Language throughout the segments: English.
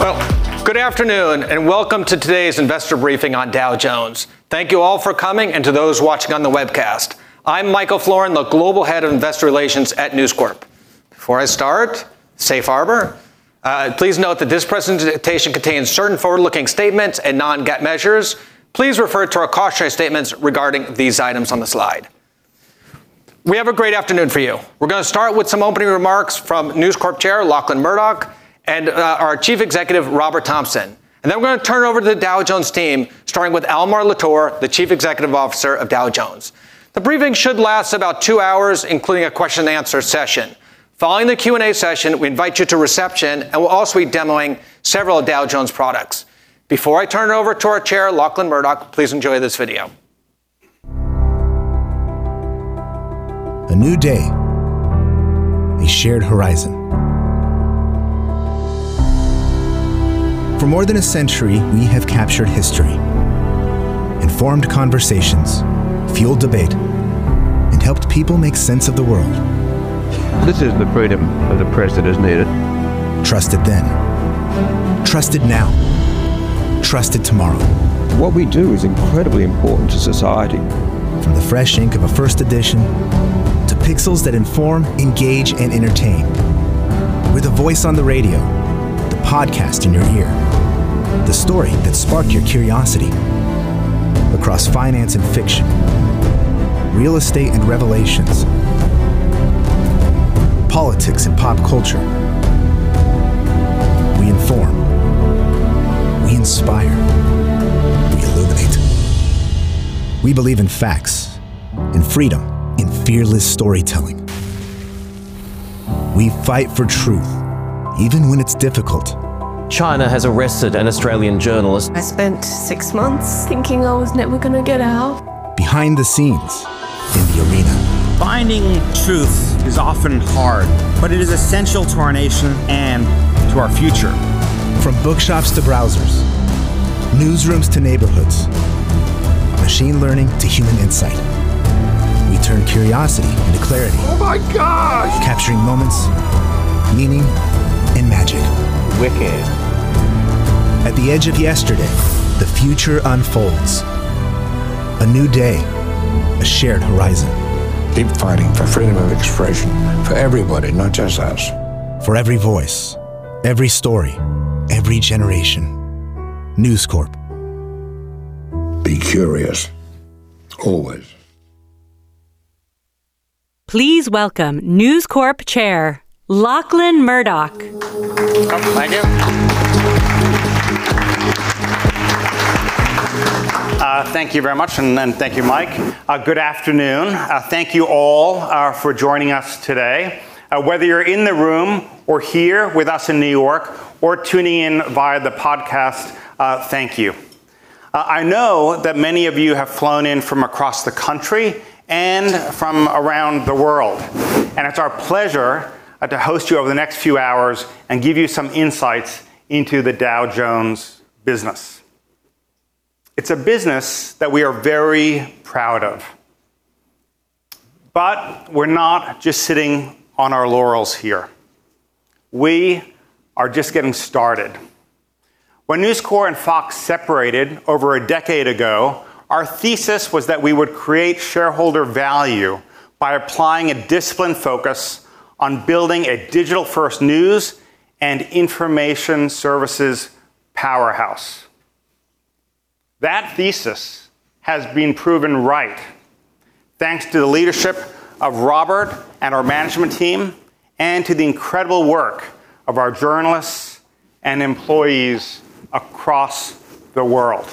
Well, good afternoon, and welcome to today's investor briefing on Dow Jones. Thank you all for coming and to those watching on the webcast. I'm Michael Florin, the Global Head of Investor Relations at News Corp. Before I start, safe harbor, please note that this presentation contains certain forward-looking statements and non-GAAP measures. Please refer to our cautionary statements regarding these items on the slide. We have a great afternoon for you. We're gonna start with some opening remarks from News Corp Chair Lachlan Murdoch and our Chief Executive, Robert Thomson. Then we're gonna turn it over to the Dow Jones team, starting with Almar Latour, the Chief Executive Officer of Dow Jones. The briefing should last about two hours, including a question and answer session. Following the Q&A session, we invite you to reception, and we'll also be demoing several Dow Jones products. Before I turn it over to our Chair, Lachlan Murdoch, please enjoy this video. A new day, a shared horizon. For more than a century, we have captured history, informed conversations, fueled debate, and helped people make sense of the world. This is the freedom of the press that is needed. Trusted then, trusted now, trusted tomorrow. What we do is incredibly important to society. From the fresh ink of a first edition to pixels that inform, engage and entertain. We're the voice on the radio, the podcast in your ear, the story that sparked your curiosity across finance and fiction, real estate and revelations, politics and pop culture. We inform, we inspire, we illuminate. We believe in facts and freedom, in fearless storytelling. We fight for truth even when it's difficult. China has arrested an Australian journalist. I spent six months thinking I was never gonna get out. Behind the scenes, in the arena. Finding truth is often hard, but it is essential to our nation and to our future. From bookstores to browsers, newsrooms to neighborhoods, machine learning to human insight, we turn curiosity into clarity. Oh my gosh. Capturing moments, meaning, and magic. Wicked. At the edge of yesterday, the future unfolds. A new day, a shared horizon. Keep fighting for freedom of expression for everybody, not just us. For every voice, every story, every generation. News Corp. Be curious. Always. Please welcome News Corp Chairman Lachlan Murdoch. Oh, thank you. Thank you very much and then thank you, Mike. Good afternoon. Thank you all for joining us today. Whether you're in the room or here with us in New York or tuning in via the podcast, thank you. I know that many of you have flown in from across the country and from around the world, and it's our pleasure to host you over the next few hours and give you some insights into the Dow Jones business. It's a business that we are very proud of, but we're not just sitting on our laurels here. We are just getting started. When News Corp and Fox separated over a decade ago, our thesis was that we would create shareholder value by applying a disciplined focus on building a digital-first news and information services powerhouse. That thesis has been proven right thanks to the leadership of Robert and our management team and to the incredible work of our journalists and employees across the world.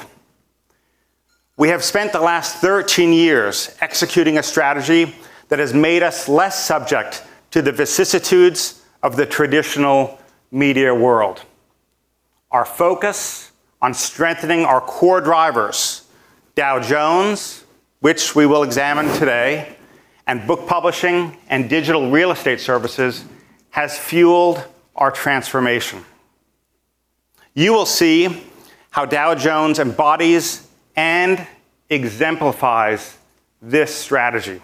We have spent the last 13 years executing a strategy that has made us less subject to the vicissitudes of the traditional media world. Our focus on strengthening our core drivers, Dow Jones, which we will examine today, and book publishing and digital real estate services, has fueled our transformation. You will see how Dow Jones embodies and exemplifies this strategy.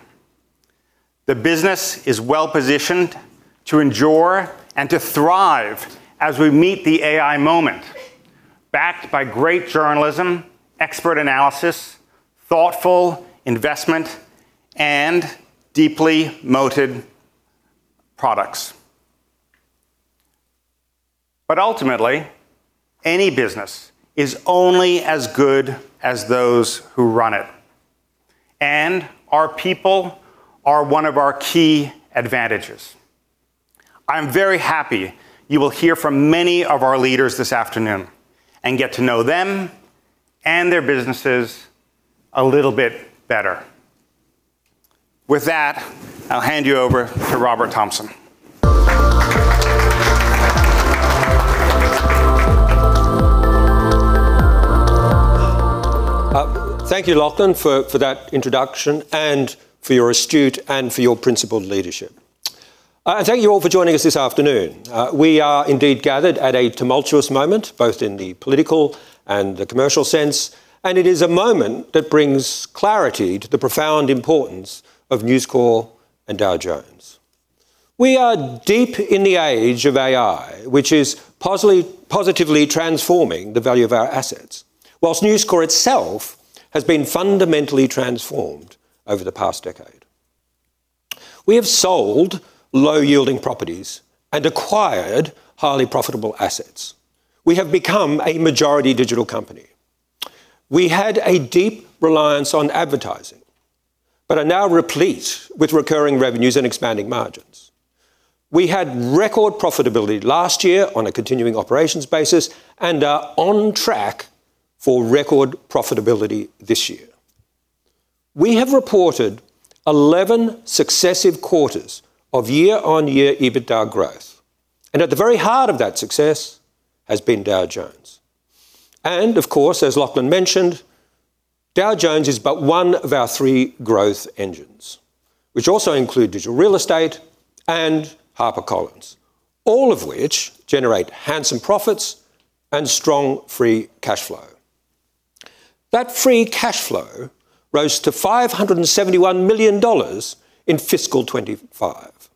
The business is well-positioned to endure and to thrive as we meet the AI moment, backed by great journalism, expert analysis, thoughtful investment, and deeply moated products. Ultimately, any business is only as good as those who run it, and our people are one of our key advantages. I'm very happy you will hear from many of our leaders this afternoon and get to know them and their businesses a little bit better. With that, I'll hand you over to Robert Thomson. Thank you, Lachlan, for that introduction and for your astute and principled leadership. Thank you all for joining us this afternoon. We are indeed gathered at a tumultuous moment, both in the political and the commercial sense, and it is a moment that brings clarity to the profound importance of News Corp and Dow Jones. We are deep in the age of AI, which is positively transforming the value of our assets, while News Corp itself has been fundamentally transformed over the past decade. We have sold low-yielding properties and acquired highly profitable assets. We have become a majority digital company. We had a deep reliance on advertising, but are now replete with recurring revenues and expanding margins. We had record profitability last year on a continuing operations basis and are on track for record profitability this year. We have reported 11 successive quarters of year-on-year EBITDA growth, and at the very heart of that success has been Dow Jones. Of course, as Lachlan mentioned, Dow Jones is but one of our three growth engines, which also include Digital Real Estate and HarperCollins, all of which generate handsome profits and strong free cash flow. That free cash flow rose to $571 million in fiscal 2025,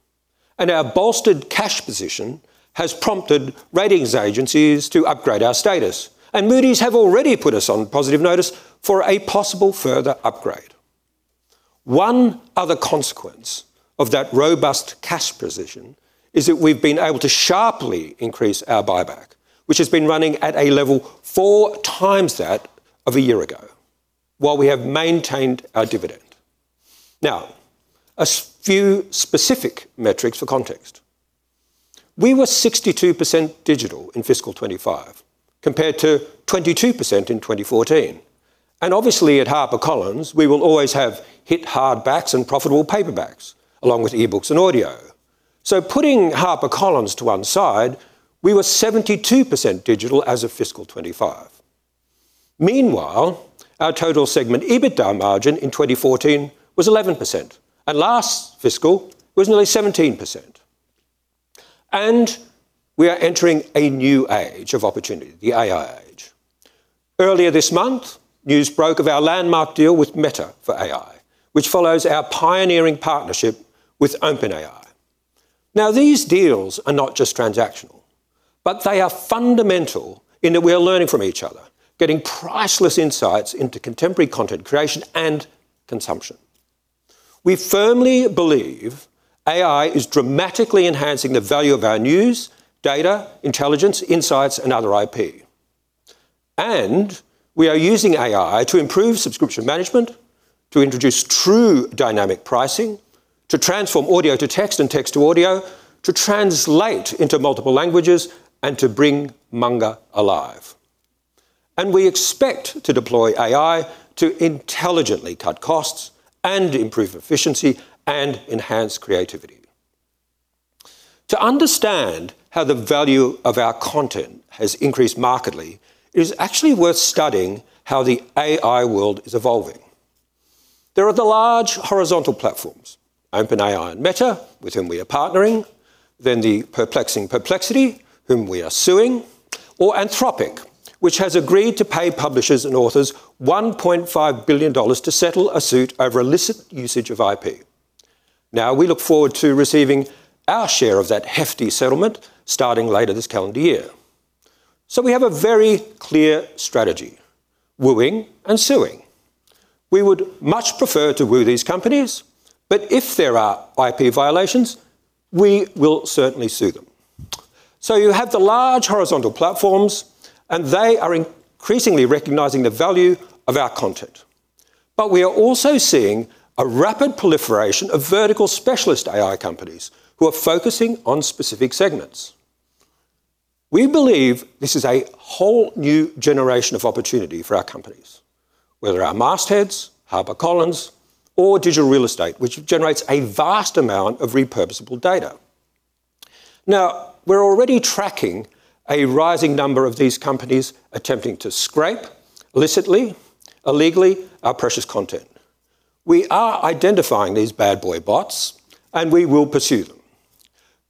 and our bolstered cash position has prompted ratings agencies to upgrade our status. Moody's have already put us on positive notice for a possible further upgrade. One other consequence of that robust cash position is that we've been able to sharply increase our buyback, which has been running at a level four times that of a year ago, while we have maintained our dividend. Now, a few specific metrics for context. We were 62% digital in fiscal 2025 compared to 22% in 2014. Obviously at HarperCollins, we will always have hit hardbacks and profitable paperbacks along with e-books and audio. Putting HarperCollins to one side, we were 72% digital as of fiscal 2025. Meanwhile, our total segment EBITDA margin in 2014 was 11%, and last fiscal was nearly 17%. We are entering a new age of opportunity, the AI age. Earlier this month, news broke of our landmark deal with Meta for AI, which follows our pioneering partnership with OpenAI. Now, these deals are not just transactional, but they are fundamental in that we are learning from each other, getting priceless insights into contemporary content creation and consumption. We firmly believe AI is dramatically enhancing the value of our news, data, intelligence, insights, and other IP. We are using AI to improve subscription management, to introduce true dynamic pricing, to transform audio to text and text to audio, to translate into multiple languages, and to bring manga alive. We expect to deploy AI to intelligently cut costs and improve efficiency and enhance creativity. To understand how the value of our content has increased markedly, it is actually worth studying how the AI world is evolving. There are the large horizontal platforms, OpenAI and Meta, with whom we are partnering, then the perplexing Perplexity, whom we are suing, or Anthropic, which has agreed to pay publishers and authors $1.5 billion to settle a suit over illicit usage of IP. Now, we look forward to receiving our share of that hefty settlement starting later this calendar year. We have a very clear strategy, wooing and suing. We would much prefer to woo these companies, but if there are IP violations, we will certainly sue them. You have the large horizontal platforms, and they are increasingly recognizing the value of our content. We are also seeing a rapid proliferation of vertical specialist AI companies who are focusing on specific segments. We believe this is a whole new generation of opportunity for our companies, whether our mastheads, HarperCollins, or Digital Real Estate, which generates a vast amount of repurposable data. Now, we're already tracking a rising number of these companies attempting to scrape illicitly, illegally our precious content. We are identifying these bad boy bots, and we will pursue them.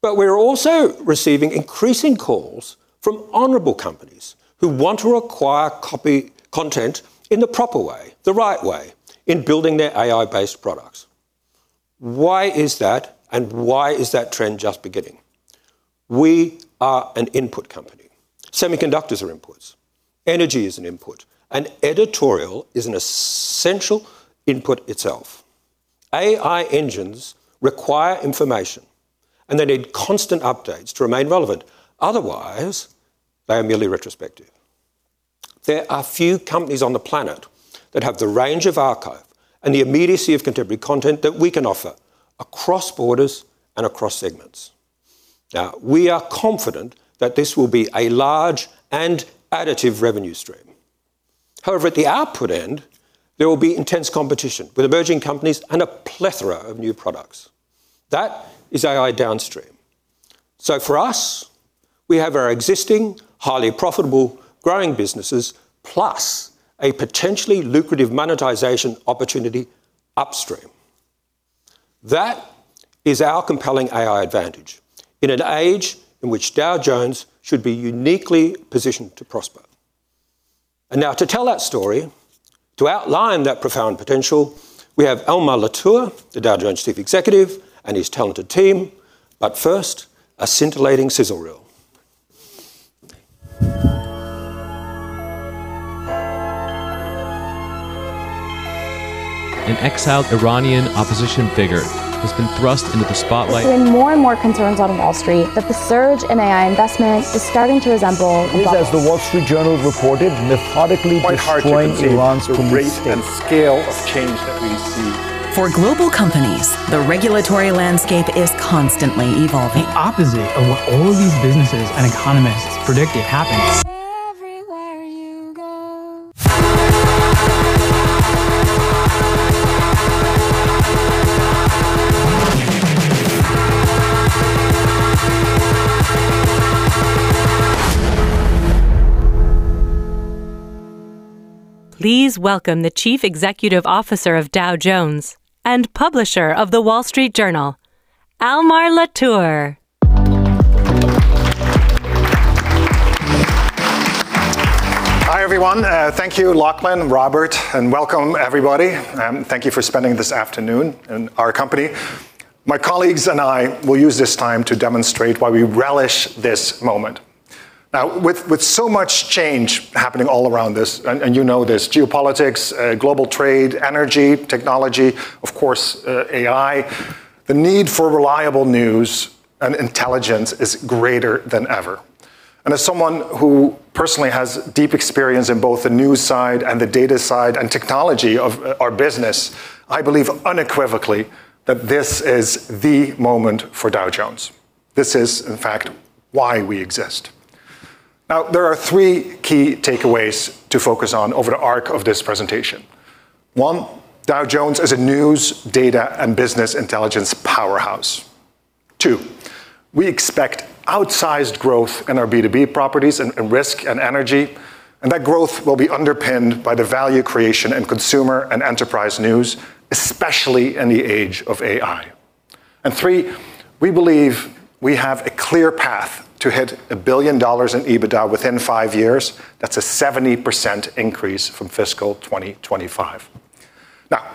We're also receiving increasing calls from honorable companies who want to acquire copy content in the proper way, the right way in building their AI-based products. Why is that, and why is that trend just beginning? We are an input company. Semiconductors are inputs. Energy is an input. Editorial is an essential input itself. AI engines require information, and they need constant updates to remain relevant. Otherwise, they are merely retrospective. There are few companies on the planet that have the range of archive and the immediacy of contemporary content that we can offer across borders and across segments. Now, we are confident that this will be a large and additive revenue stream. However, at the output end, there will be intense competition with emerging companies and a plethora of new products. That is AI downstream. For us, we have our existing, highly profitable growing businesses plus a potentially lucrative monetization opportunity upstream. That is our compelling AI advantage in an age in which Dow Jones should be uniquely positioned to prosper. Now to tell that story, to outline that profound potential, we have Almar Latour, the Dow Jones Chief Executive, and his talented team. First, a scintillating sizzle reel. An exiled Iranian opposition figure has been thrust into the spotlight. There's been more and more concerns out of Wall Street that the surge in AI investment is starting to resemble a bubble. This, as The Wall Street Journal reported, methodically destroying Iran's communist state. It's quite hard to contain the rate and scale of change that we see. For global companies, the regulatory landscape is constantly evolving. The opposite of what all of these businesses and economists predicted happened. Everywhere you go. Please welcome the Chief Executive Officer of Dow Jones and Publisher of The Wall Street Journal, Almar Latour. Hi, everyone. Thank you, Lachlan, Robert, and welcome everybody. Thank you for spending this afternoon in our company. My colleagues and I will use this time to demonstrate why we relish this moment. Now, with so much change happening all around us, and you know this, geopolitics, global trade, energy, technology, of course, AI, the need for reliable news and intelligence is greater than ever. As someone who personally has deep experience in both the news side and the data side and technology of our business, I believe unequivocally that this is the moment for Dow Jones. This is, in fact, why we exist. Now, there are three key takeaways to focus on over the arc of this presentation. One, Dow Jones is a news, data, and business intelligence powerhouse. 2, we expect outsized growth in our B2B properties in risk and energy, and that growth will be underpinned by the value creation and consumer and enterprise news, especially in the age of AI. 3, we believe we have a clear path to hit $1 billion in EBITDA within five years. That's a 70% increase from fiscal 2025. Now,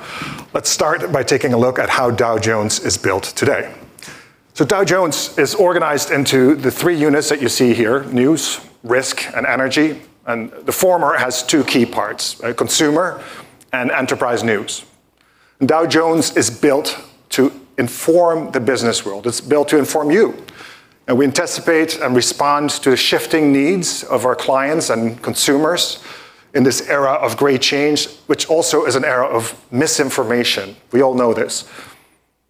let's start by taking a look at how Dow Jones is built today. Dow Jones is organized into the three units that you see here, news, risk, and energy, and the former has two key parts, consumer and enterprise news. Dow Jones is built to inform the business world. It's built to inform you, and we anticipate and respond to the shifting needs of our clients and consumers in this era of great change, which also is an era of misinformation. We all know this.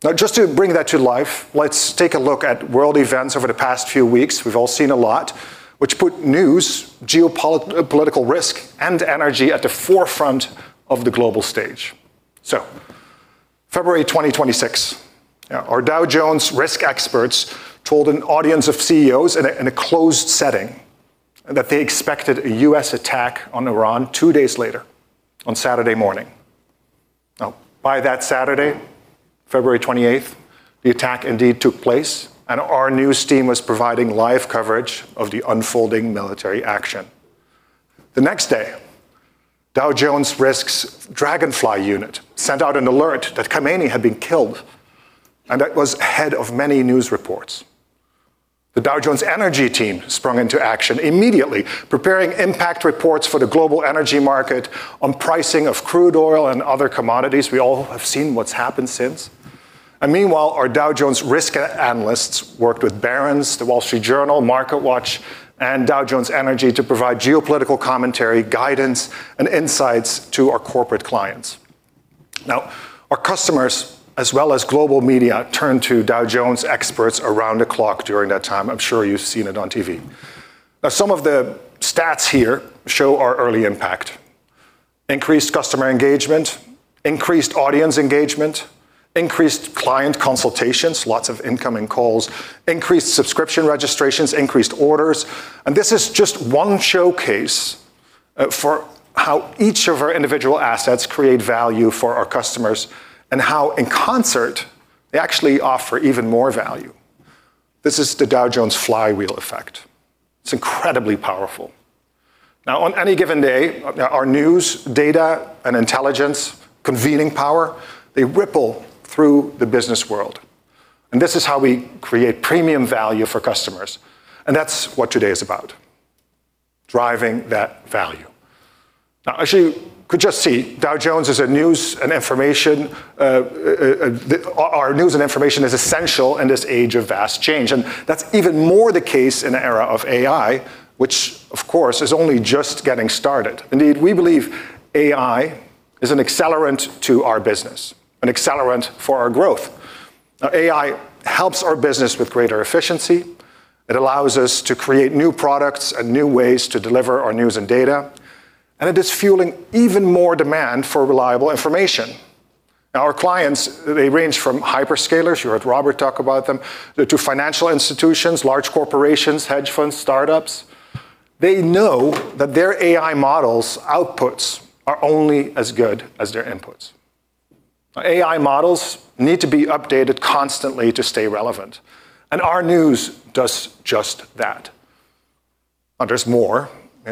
Now, just to bring that to life, let's take a look at world events over the past few weeks. We've all seen a lot, which put news, geopolitical risk, and energy at the forefront of the global stage. February 2026, our Dow Jones Risk experts told an audience of CEOs in a closed setting that they expected a US attack on Iran two days later on Saturday morning. Now, by that Saturday, February 28th, the attack indeed took place, and our news team was providing live coverage of the unfolding military action. The next day, Dow Jones Risk's Dragonfly unit sent out an alert that Khamenei had been killed, and that was ahead of many news reports. The Dow Jones Energy team sprung into action immediately, preparing impact reports for the global energy market on pricing of crude oil and other commodities. We all have seen what's happened since. Meanwhile, our Dow Jones risk analysts worked with Barron's, The Wall Street Journal, MarketWatch, and Dow Jones Energy to provide geopolitical commentary, guidance, and insights to our corporate clients. Now, our customers, as well as global media, turned to Dow Jones experts around the clock during that time. I'm sure you've seen it on TV. Now, some of the stats here show our early impact. Increased customer engagement, increased audience engagement, increased client consultations, lots of incoming calls, increased subscription registrations, increased orders. This is just one showcase for how each of our individual assets create value for our customers and how in concert they actually offer even more value. This is the Dow Jones flywheel effect. It's incredibly powerful. Now, on any given day, our news, data, and intelligence convening power, they ripple through the business world, and this is how we create premium value for customers, and that's what today is about, driving that value. Now, as you could just see, our news and information is essential in this age of vast change, and that's even more the case in an era of AI, which of course is only just getting started. Indeed, we believe AI is an accelerant to our business, an accelerant for our growth. AI helps our business with greater efficiency. It allows us to create new products and new ways to deliver our news and data, and it is fueling even more demand for reliable information. Our clients, they range from hyperscalers, you heard Robert talk about them, to financial institutions, large corporations, hedge funds, startups. They know that their AI models' outputs are only as good as their inputs. AI models need to be updated constantly to stay relevant, and our news does just that. But there's more.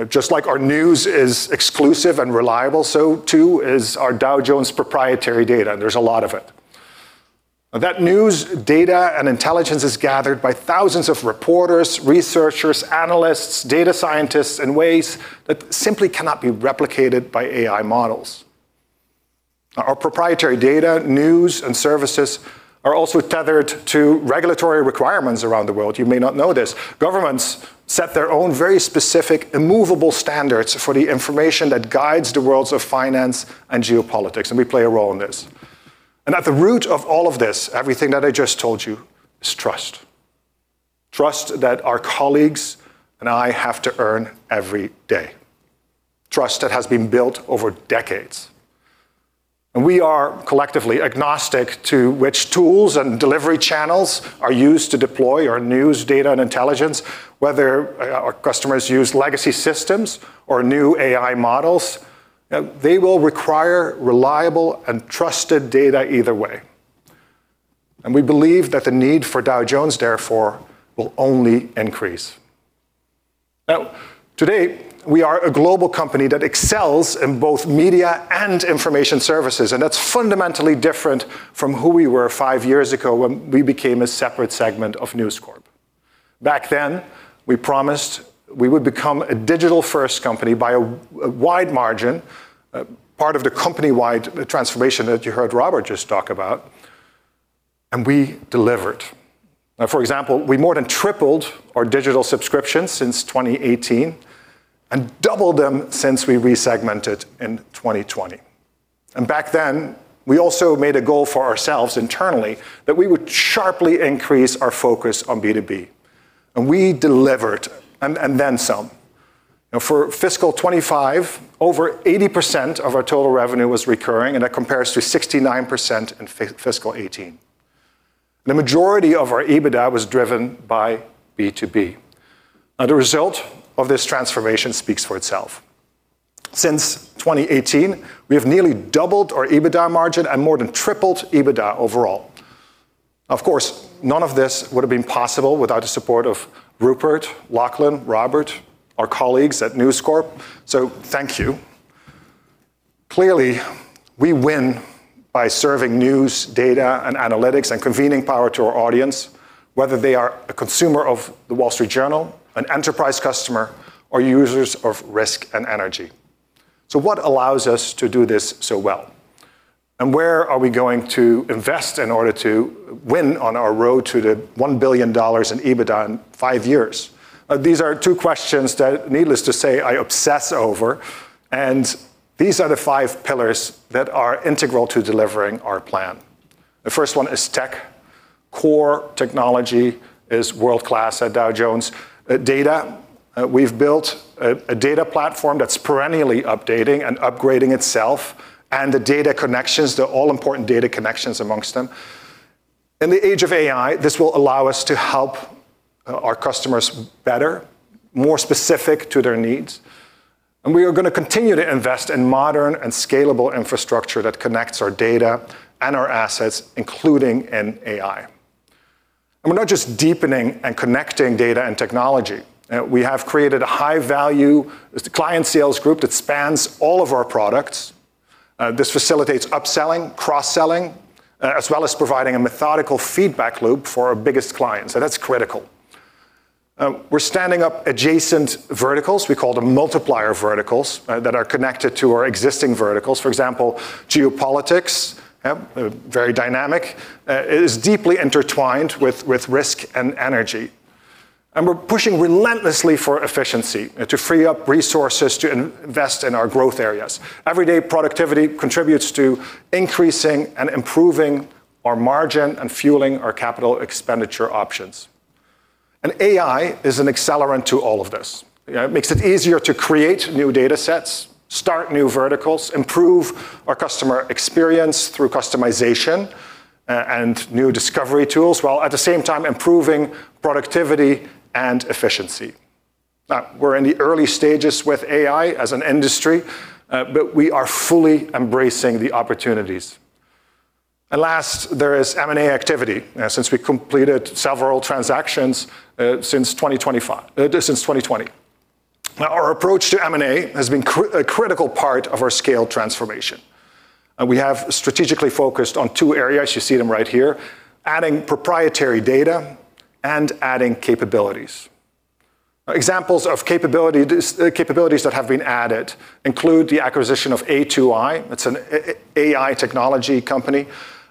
Just like our news is exclusive and reliable, so too is our Dow Jones proprietary data, and there's a lot of it. That news, data, and intelligence is gathered by thousands of reporters, researchers, analysts, data scientists in ways that simply cannot be replicated by AI models. Our proprietary data, news, and services are also tethered to regulatory requirements around the world. You may not know this. Governments set their own very specific, immovable standards for the information that guides the worlds of finance and geopolitics, and we play a role in this. At the root of all of this, everything that I just told you, is trust. Trust that our colleagues and I have to earn every day. Trust that has been built over decades. We are collectively agnostic to which tools and delivery channels are used to deploy our news, data, and intelligence, whether our customers use legacy systems or new AI models. They will require reliable and trusted data either way. We believe that the need for Dow Jones, therefore, will only increase. Now, today, we are a global company that excels in both media and information services, and that's fundamentally different from who we were five years ago when we became a separate segment of News Corp. Back then, we promised we would become a digital-first company by a wide margin, part of the company-wide transformation that you heard Robert just talk about, and we delivered. For example, we more than tripled our digital subscriptions since 2018 and doubled them since we resegmented in 2020. Back then, we also made a goal for ourselves internally that we would sharply increase our focus on B2B, and we delivered and then some. For fiscal 2025, over 80% of our total revenue was recurring, and that compares to 69% in fiscal 2018. The majority of our EBITDA was driven by B2B. The result of this transformation speaks for itself. Since 2018, we have nearly doubled our EBITDA margin and more than tripled EBITDA overall. Of course, none of this would have been possible without the support of Rupert, Lachlan, Robert, our colleagues at News Corp. Thank you. Clearly, we win by serving news, data, and analytics, and convening power to our audience, whether they are a consumer of The Wall Street Journal, an enterprise customer, or users of Risk and Energy. What allows us to do this so well? Where are we going to invest in order to win on our road to the $1 billion in EBITDA in five years? These are two questions that, needless to say, I obsess over, and these are the five pillars that are integral to delivering our plan. The first one is tech. Core technology is world-class at Dow Jones. Data. We've built a data platform that's perennially updating and upgrading itself, and the data connections, the all-important data connections amongst them. In the age of AI, this will allow us to help our customers better, more specific to their needs. We are gonna continue to invest in modern and scalable infrastructure that connects our data and our assets, including an AI. We're not just deepening and connecting data and technology. We have created a high-value client sales group that spans all of our products. This facilitates upselling, cross-selling, as well as providing a methodical feedback loop for our biggest clients. That's critical. We're standing up adjacent verticals, we call them multiplier verticals, that are connected to our existing verticals. For example, geopolitics, very dynamic, is deeply intertwined with risk and energy. We're pushing relentlessly for efficiency to free up resources to invest in our growth areas. Everyday productivity contributes to increasing and improving our margin and fueling our capital expenditure options. AI is an accelerant to all of this. It makes it easier to create new datasets, start new verticals, improve our customer experience through customization and new discovery tools, while at the same time improving productivity and efficiency. We're in the early stages with AI as an industry, but we are fully embracing the opportunities. Last, there is M&A activity. Since we completed several transactions since 2020. Our approach to M&A has been a critical part of our scale transformation. We have strategically focused on two areas, you see them right here, adding proprietary data and adding capabilities. Examples of capabilities that have been added include the acquisition of A2i, that's an AI technology company,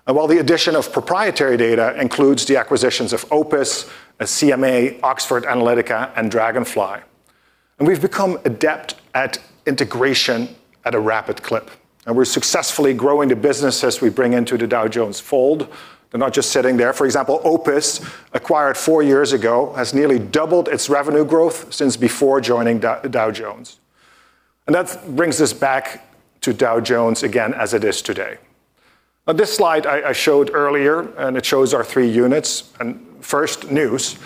while the addition of proprietary data includes the acquisitions of OPIS, CMA, Oxford Analytica, and Dragonfly. We've become adept at integration at a rapid clip. We're successfully growing the business as we bring into the Dow Jones fold. They're not just sitting there. For example, OPIS, acquired four years ago, has nearly doubled its revenue growth since before joining Dow Jones. That brings us back to Dow Jones again as it is today. This slide I showed earlier, and it shows our three units. First, news.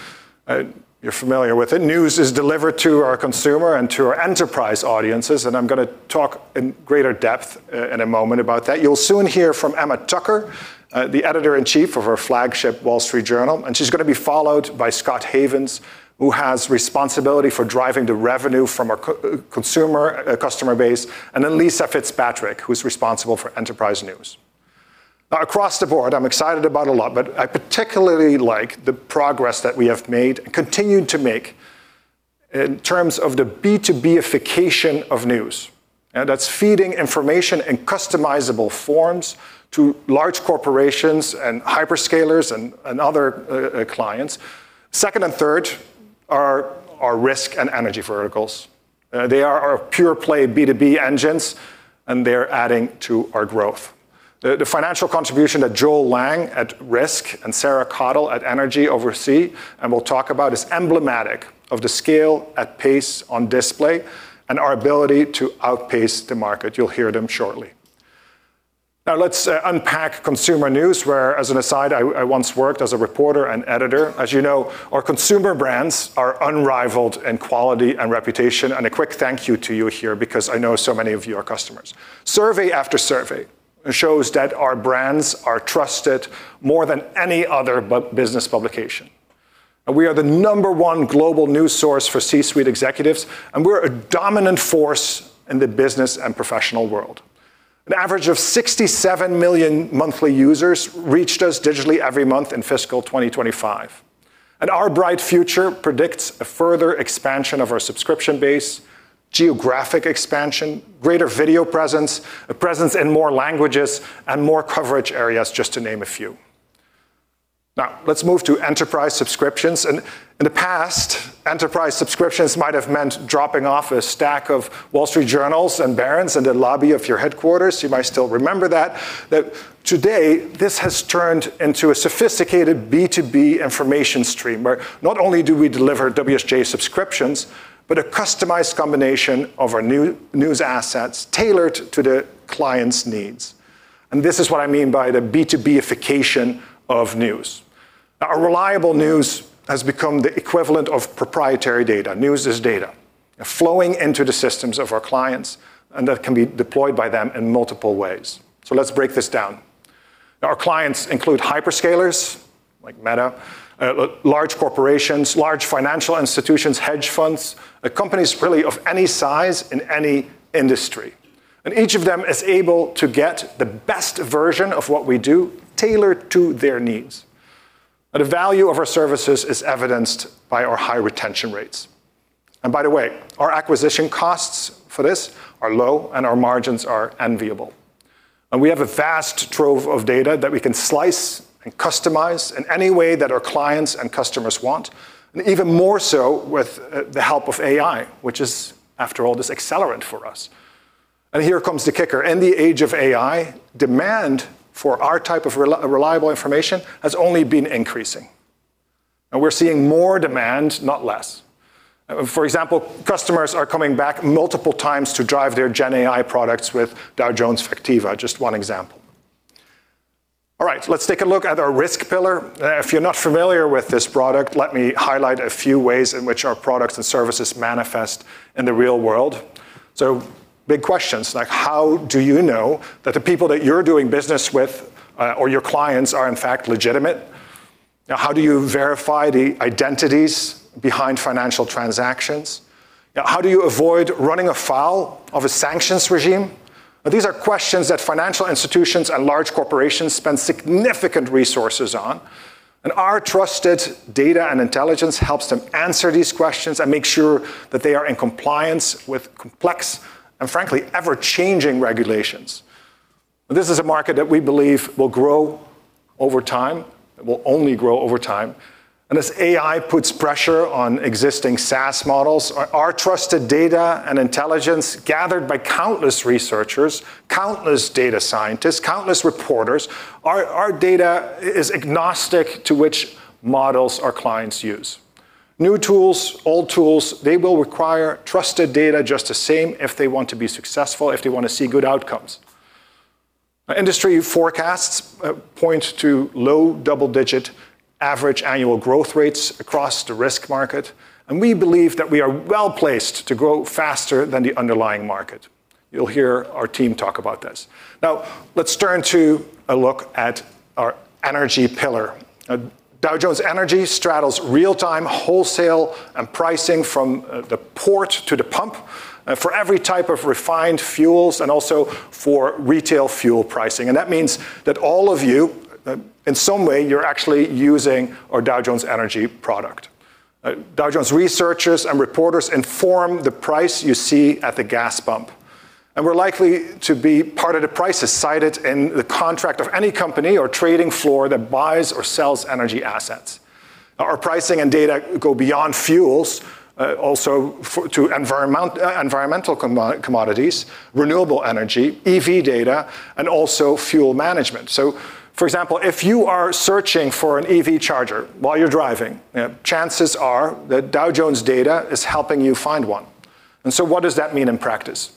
You're familiar with it. News is delivered to our consumer and to our enterprise audiences, and I'm gonna talk in greater depth in a moment about that. You'll soon hear from Emma Tucker, the editor-in-chief of our flagship The Wall Street Journal, and she's gonna be followed by Scott Havens, who has responsibility for driving the revenue from our consumer customer base, and then Lisa Fitzpatrick, who's responsible for enterprise news. Now across the board, I'm excited about a lot, but I particularly like the progress that we have made and continue to make in terms of the B2B-ification of news. That's feeding information in customizable forms to large corporations and hyperscalers and other clients. Second and third are risk and energy verticals. They are our pure-play B2B engines, and they're adding to our growth. The financial contribution that Joel Lange at Risk and Sarah Cottle at Energy oversee, and we'll talk about, is emblematic of the scale at pace on display and our ability to outpace the market. You'll hear them shortly. Now let's unpack consumer news where, as an aside, I once worked as a reporter and editor. As you know, our consumer brands are unrivaled in quality and reputation, and a quick thank you to you here because I know so many of you are customers. Survey after survey shows that our brands are trusted more than any other business publication. We are the number one global news source for C-suite executives, and we're a dominant force in the business and professional world. An average of 67 million monthly users reached us digitally every month in fiscal 2025. Our bright future predicts a further expansion of our subscription base, geographic expansion, greater video presence, a presence in more languages, and more coverage areas, just to name a few. Now, let's move to enterprise subscriptions. In the past, enterprise subscriptions might have meant dropping off a stack of Wall Street Journals and Barron's in the lobby of your headquarters. You might still remember that. Today, this has turned into a sophisticated B2B information stream, where not only do we deliver WSJ subscriptions, but a customized combination of our news assets tailored to the client's needs. This is what I mean by the B2B-ification of news. Now reliable news has become the equivalent of proprietary data. News is data flowing into the systems of our clients, and that can be deployed by them in multiple ways. Let's break this down. Our clients include hyperscalers like Meta, large corporations, large financial institutions, hedge funds, companies really of any size in any industry. Each of them is able to get the best version of what we do tailored to their needs. The value of our services is evidenced by our high retention rates. By the way, our acquisition costs for this are low, and our margins are enviable. We have a vast trove of data that we can slice and customize in any way that our clients and customers want, and even more so with the help of AI, which is, after all, this accelerant for us. Here comes the kicker. In the age of AI, demand for our type of reliable information has only been increasing. We're seeing more demand, not less. For example, customers are coming back multiple times to drive their Gen AI products with Dow Jones Factiva, just one example. All right. Let's take a look at our risk pillar. If you're not familiar with this product, let me highlight a few ways in which our products and services manifest in the real world. Big questions like, how do you know that the people that you're doing business with, or your clients are in fact legitimate? Now, how do you verify the identities behind financial transactions? How do you avoid running afoul of a sanctions regime? These are questions that financial institutions and large corporations spend significant resources on. Our trusted data and intelligence helps them answer these questions and make sure that they are in compliance with complex and, frankly, ever-changing regulations. This is a market that we believe will grow over time. It will only grow over time. As AI puts pressure on existing SaaS models, our trusted data and intelligence gathered by countless researchers, countless data scientists, countless reporters, our data is agnostic to which models our clients use. New tools, old tools, they will require trusted data just the same if they want to be successful, if they want to see good outcomes. Industry forecasts point to low double-digit average annual growth rates across the risk market, and we believe that we are well-placed to grow faster than the underlying market. You'll hear our team talk about this. Now, let's turn to a look at our energy pillar. Dow Jones Energy straddles real-time wholesale and pricing from the port to the pump for every type of refined fuels and also for retail fuel pricing. That means that all of you, in some way, you're actually using our Dow Jones Energy product. Dow Jones researchers and reporters inform the price you see at the gas pump, and we're likely to be part of the prices cited in the contract of any company or trading floor that buys or sells energy assets. Our pricing and data go beyond fuels, also to environmental commodities, renewable energy, EV data, and also fuel management. For example, if you are searching for an EV charger while you're driving, chances are that Dow Jones data is helping you find one. What does that mean in practice?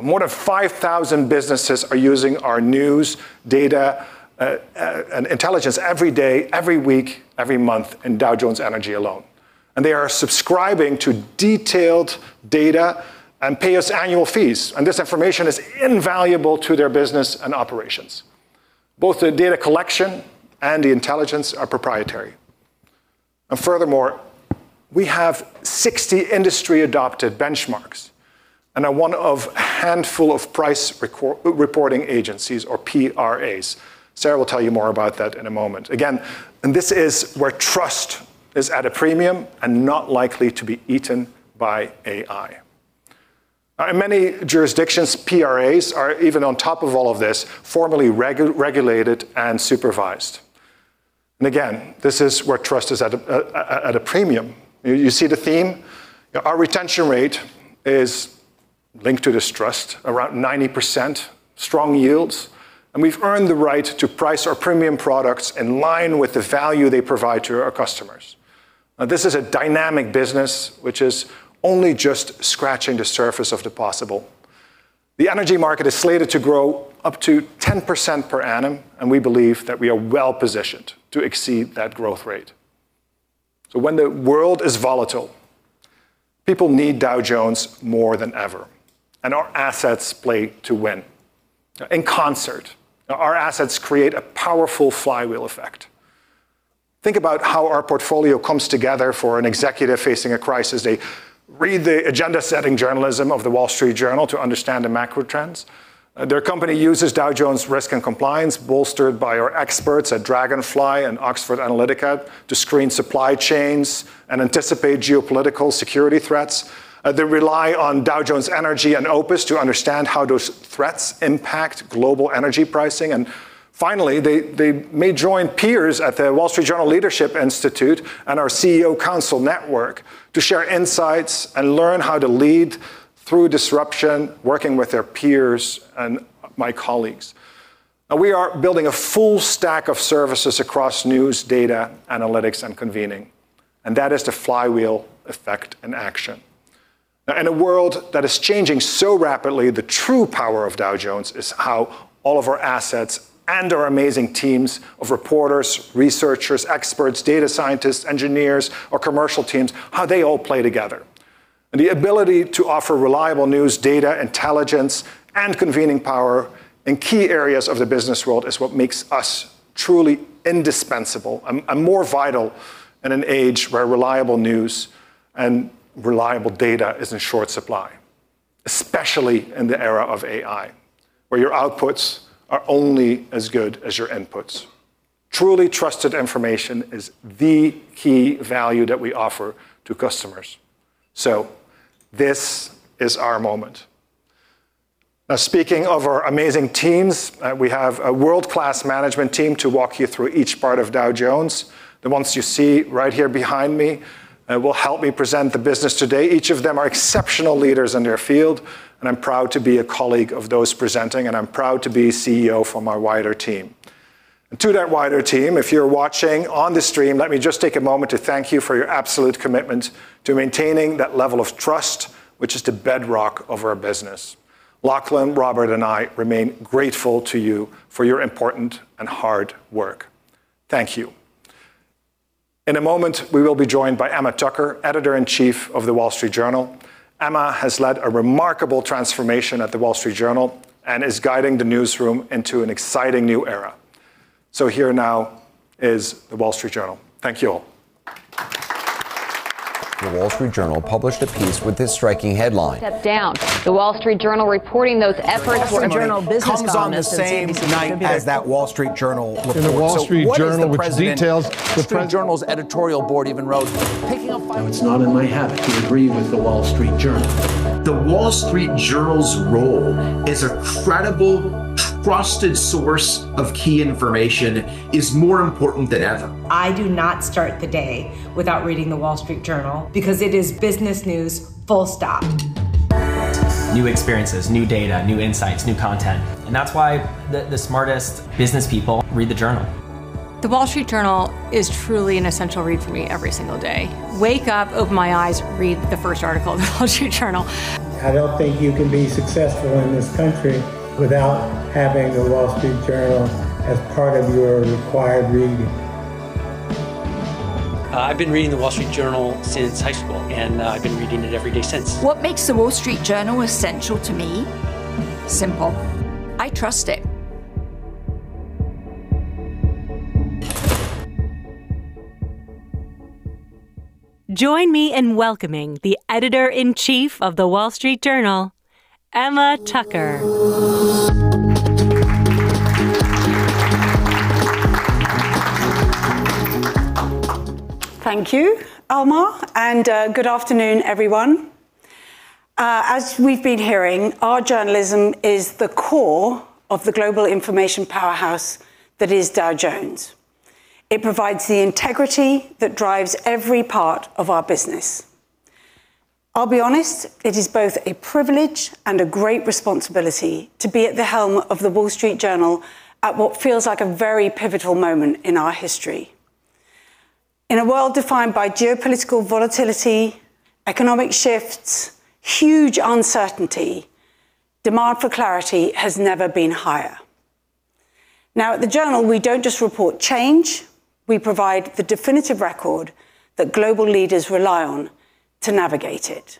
More than 5,000 businesses are using our news, data, and intelligence every day, every week, every month in Dow Jones Energy alone. They are subscribing to detailed data and pay us annual fees. This information is invaluable to their business and operations. Both the data collection and the intelligence are proprietary. Furthermore, we have 60 industry-adopted benchmarks and are one of a handful of price reporting agencies or PRAs. Sarah will tell you more about that in a moment. Again, this is where trust is at a premium and not likely to be eaten by AI. In many jurisdictions, PRAs are even on top of all of this, formally regulated and supervised. Again, this is where trust is at a premium. You see the theme? Our retention rate is linked to this trust, around 90% strong yields, and we've earned the right to price our premium products in line with the value they provide to our customers. Now, this is a dynamic business which is only just scratching the surface of the possible. The energy market is slated to grow up to 10% per annum, and we believe that we are well-positioned to exceed that growth rate. When the world is volatile, people need Dow Jones more than ever, and our assets play to win. In concert, our assets create a powerful flywheel effect. Think about how our portfolio comes together for an executive facing a crisis. They read the agenda-setting journalism of The Wall Street Journal to understand the macro trends. Their company uses Dow Jones Risk & Compliance, bolstered by our experts at Dragonfly and Oxford Analytica, to screen supply chains and anticipate geopolitical security threats. They rely on Dow Jones Energy and OPIS to understand how those threats impact global energy pricing. Finally, they may join peers at The Wall Street Journal Leadership Institute and our CEO Council Network to share insights and learn how to lead through disruption, working with their peers and my colleagues. We are building a full stack of services across news, data, analytics, and convening, and that is the flywheel effect in action. In a world that is changing so rapidly, the true power of Dow Jones is how all of our assets and our amazing teams of reporters, researchers, experts, data scientists, engineers, our commercial teams, how they all play together. The ability to offer reliable news, data, intelligence, and convening power in key areas of the business world is what makes us truly indispensable and more vital in an age where reliable news and reliable data is in short supply, especially in the era of AI, where your outputs are only as good as your inputs. Truly trusted information is the key value that we offer to customers. This is our moment. Now speaking of our amazing teams, we have a world-class management team to walk you through each part of Dow Jones. The ones you see right here behind me will help me present the business today. Each of them are exceptional leaders in their field, and I'm proud to be a colleague of those presenting, and I'm proud to be CEO for my wider team. To that wider team, if you're watching on the stream, let me just take a moment to thank you for your absolute commitment to maintaining that level of trust, which is the bedrock of our business. Lachlan, Robert, and I remain grateful to you for your important and hard work. Thank you. In a moment, we will be joined by Emma Tucker, Editor-in-Chief of The Wall Street Journal. Emma has led a remarkable transformation at The Wall Street Journal and is guiding the newsroom into an exciting new era. Here now is The Wall Street Journal. Thank you all. The Wall Street Journal published a piece with this striking headline. Step down. The Wall Street Journal reporting those efforts. The Wall Street Journal business columnist and CNBC. Comes on the same night as that Wall Street Journal report. What is the president- The Wall Street Journal, which details the pre- The Wall Street Journal's editorial board even wrote, "Picking up Biden's. Now, it's not in my habit to agree with The Wall Street Journal. The Wall Street Journal's role as a credible, trusted source of key information is more important than ever. I do not start the day without reading The Wall Street Journal because it is business news full stop. New experiences, new data, new insights, new content, and that's why the smartest business people read the Journal. The Wall Street Journal is truly an essential read for me every single day. Wake up, open my eyes, read the first article of The Wall Street Journal. I don't think you can be successful in this country without having The Wall Street Journal as part of your required reading. I've been reading The Wall Street Journal since high school, and I've been reading it every day since. What makes The Wall Street Journal essential to me? Simple. I trust it. Join me in welcoming the Editor-in-Chief of The Wall Street Journal, Emma Tucker. Thank you, Almar, and good afternoon, everyone. As we've been hearing, our journalism is the core of the global information powerhouse that is Dow Jones. It provides the integrity that drives every part of our business. I'll be honest, it is both a privilege and a great responsibility to be at the helm of The Wall Street Journal at what feels like a very pivotal moment in our history. In a world defined by geopolitical volatility, economic shifts, huge uncertainty. Demand for clarity has never been higher. Now, at the Journal, we don't just report change, we provide the definitive record that global leaders rely on to navigate it.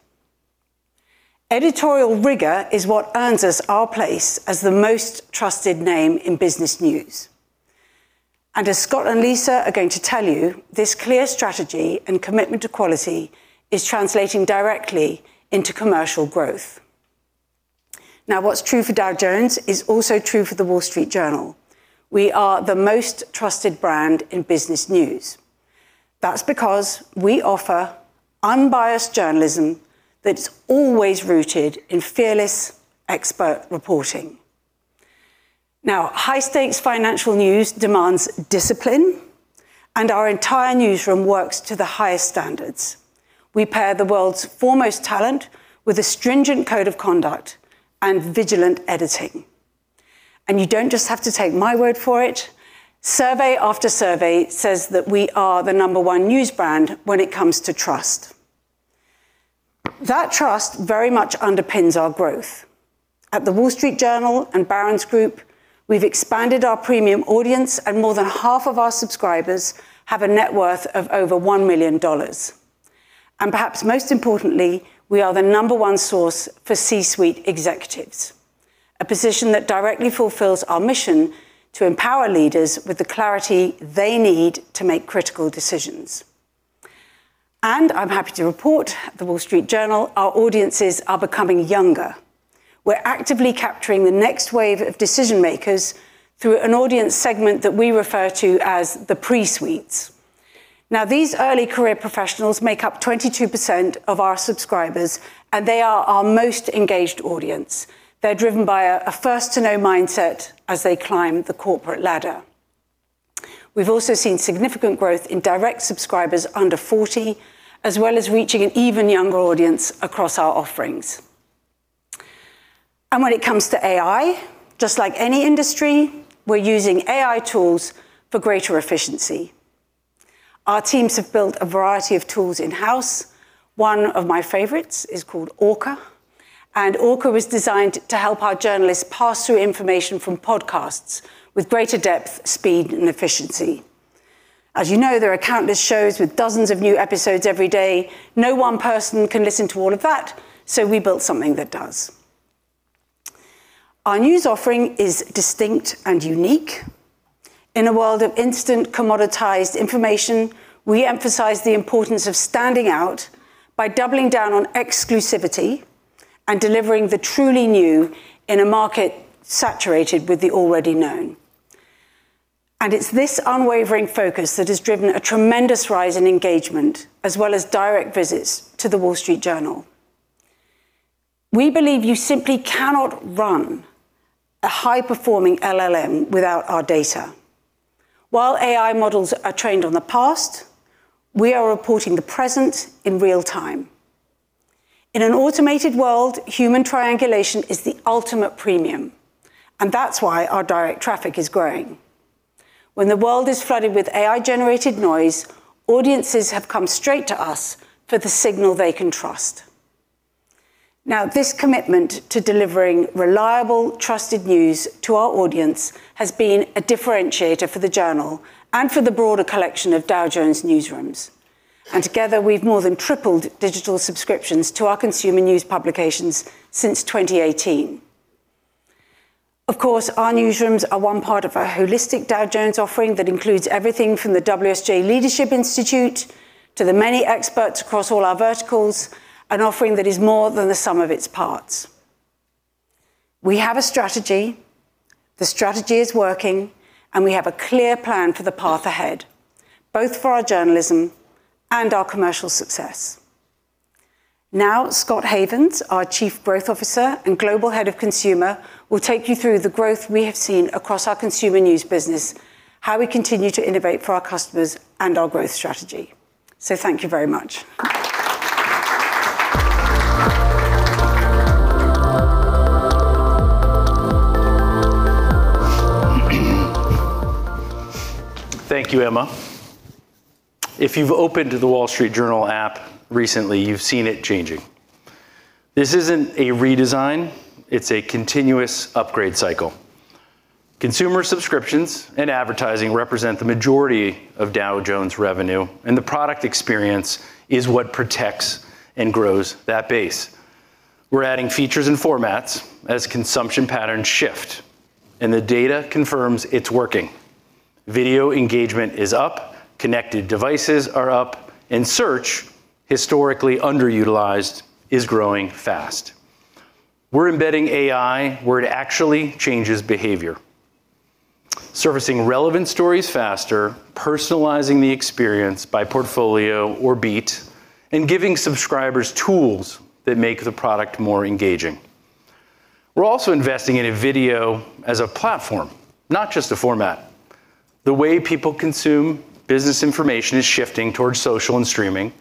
Editorial rigor is what earns us our place as the most trusted name in business news. As Scott and Lisa are going to tell you, this clear strategy and commitment to quality is translating directly into commercial growth. Now, what's true for Dow Jones is also true for The Wall Street Journal. We are the most trusted brand in business news. That's because we offer unbiased journalism that's always rooted in fearless expert reporting. Now, high-stakes financial news demands discipline, and our entire newsroom works to the highest standards. We pair the world's foremost talent with a stringent code of conduct and vigilant editing. You don't just have to take my word for it. Survey after survey says that we are the number one news brand when it comes to trust. That trust very much underpins our growth. At The Wall Street Journal and Barron's Group, we've expanded our premium audience, and more than half of our subscribers have a net worth of over $1 million. Perhaps most importantly, we are the number one source for C-suite executives, a position that directly fulfills our mission to empower leaders with the clarity they need to make critical decisions. I'm happy to report at The Wall Street Journal, our audiences are becoming younger. We're actively capturing the next wave of decision-makers through an audience segment that we refer to as the pre-suites. Now, these early career professionals make up 22% of our subscribers, and they are our most engaged audience. They're driven by a first-to-know mindset as they climb the corporate ladder. We've also seen significant growth in direct subscribers under 40, as well as reaching an even younger audience across our offerings. When it comes to AI, just like any industry, we're using AI tools for greater efficiency. Our teams have built a variety of tools in-house. One of my favorites is called Orca, and Orca was designed to help our journalists parse through information from podcasts with greater depth, speed, and efficiency. As you know, there are countless shows with dozens of new episodes every day. No one person can listen to all of that, so we built something that does. Our news offering is distinct and unique. In a world of instant commoditized information, we emphasize the importance of standing out by doubling down on exclusivity and delivering the truly new in a market saturated with the already known. It's this unwavering focus that has driven a tremendous rise in engagement, as well as direct visits to The Wall Street Journal. We believe you simply cannot run a high-performing LLM without our data. While AI models are trained on the past, we are reporting the present in real time. In an automated world, human triangulation is the ultimate premium, and that's why our direct traffic is growing. When the world is flooded with AI-generated noise, audiences have come straight to us for the signal they can trust. Now, this commitment to delivering reliable, trusted news to our audience has been a differentiator for the Journal and for the broader collection of Dow Jones newsrooms. Together, we've more than tripled digital subscriptions to our consumer news publications since 2018. Of course, our newsrooms are one part of a holistic Dow Jones offering that includes everything from The WSJ Leadership Institute to the many experts across all our verticals, an offering that is more than the sum of its parts. We have a strategy, the strategy is working, and we have a clear plan for the path ahead, both for our journalism and our commercial success. Now, Scott Havens, our Chief Growth Officer and Global Head of Consumer, will take you through the growth we have seen across our consumer news business, how we continue to innovate for our customers, and our growth strategy. Thank you very much. Thank you, Emma. If you've opened the Wall Street Journal app recently, you've seen it changing. This isn't a redesign, it's a continuous upgrade cycle. Consumer subscriptions and advertising represent the majority of Dow Jones' revenue, and the product experience is what protects and grows that base. We're adding features and formats as consumption patterns shift, and the data confirms it's working. Video engagement is up, connected devices are up, and search, historically underutilized, is growing fast. We're embedding AI where it actually changes behavior, surfacing relevant stories faster, personalizing the experience by portfolio or beat, and giving subscribers tools that make the product more engaging. We're also investing in a video as a platform, not just a format. The way people consume business information is shifting towards social and streaming,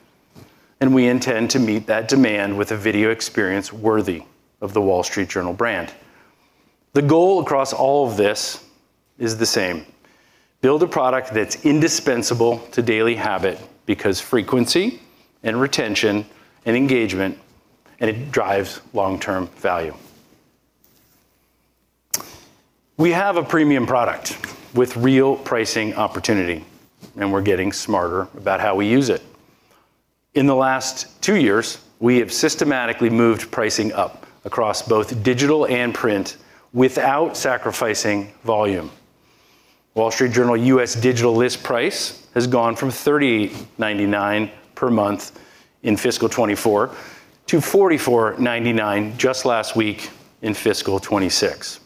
and we intend to meet that demand with a video experience worthy of The Wall Street Journal brand. The goal across all of this is the same, build a product that's indispensable to daily habit because frequency and retention and engagement, and it drives long-term value. We have a premium product with real pricing opportunity, and we're getting smarter about how we use it. In the last two years, we have systematically moved pricing up across both digital and print without sacrificing volume. Wall Street Journal U.S. digital list price has gone from $38.99 per month in fiscal 2024 to $44.99 just last week in fiscal 2026.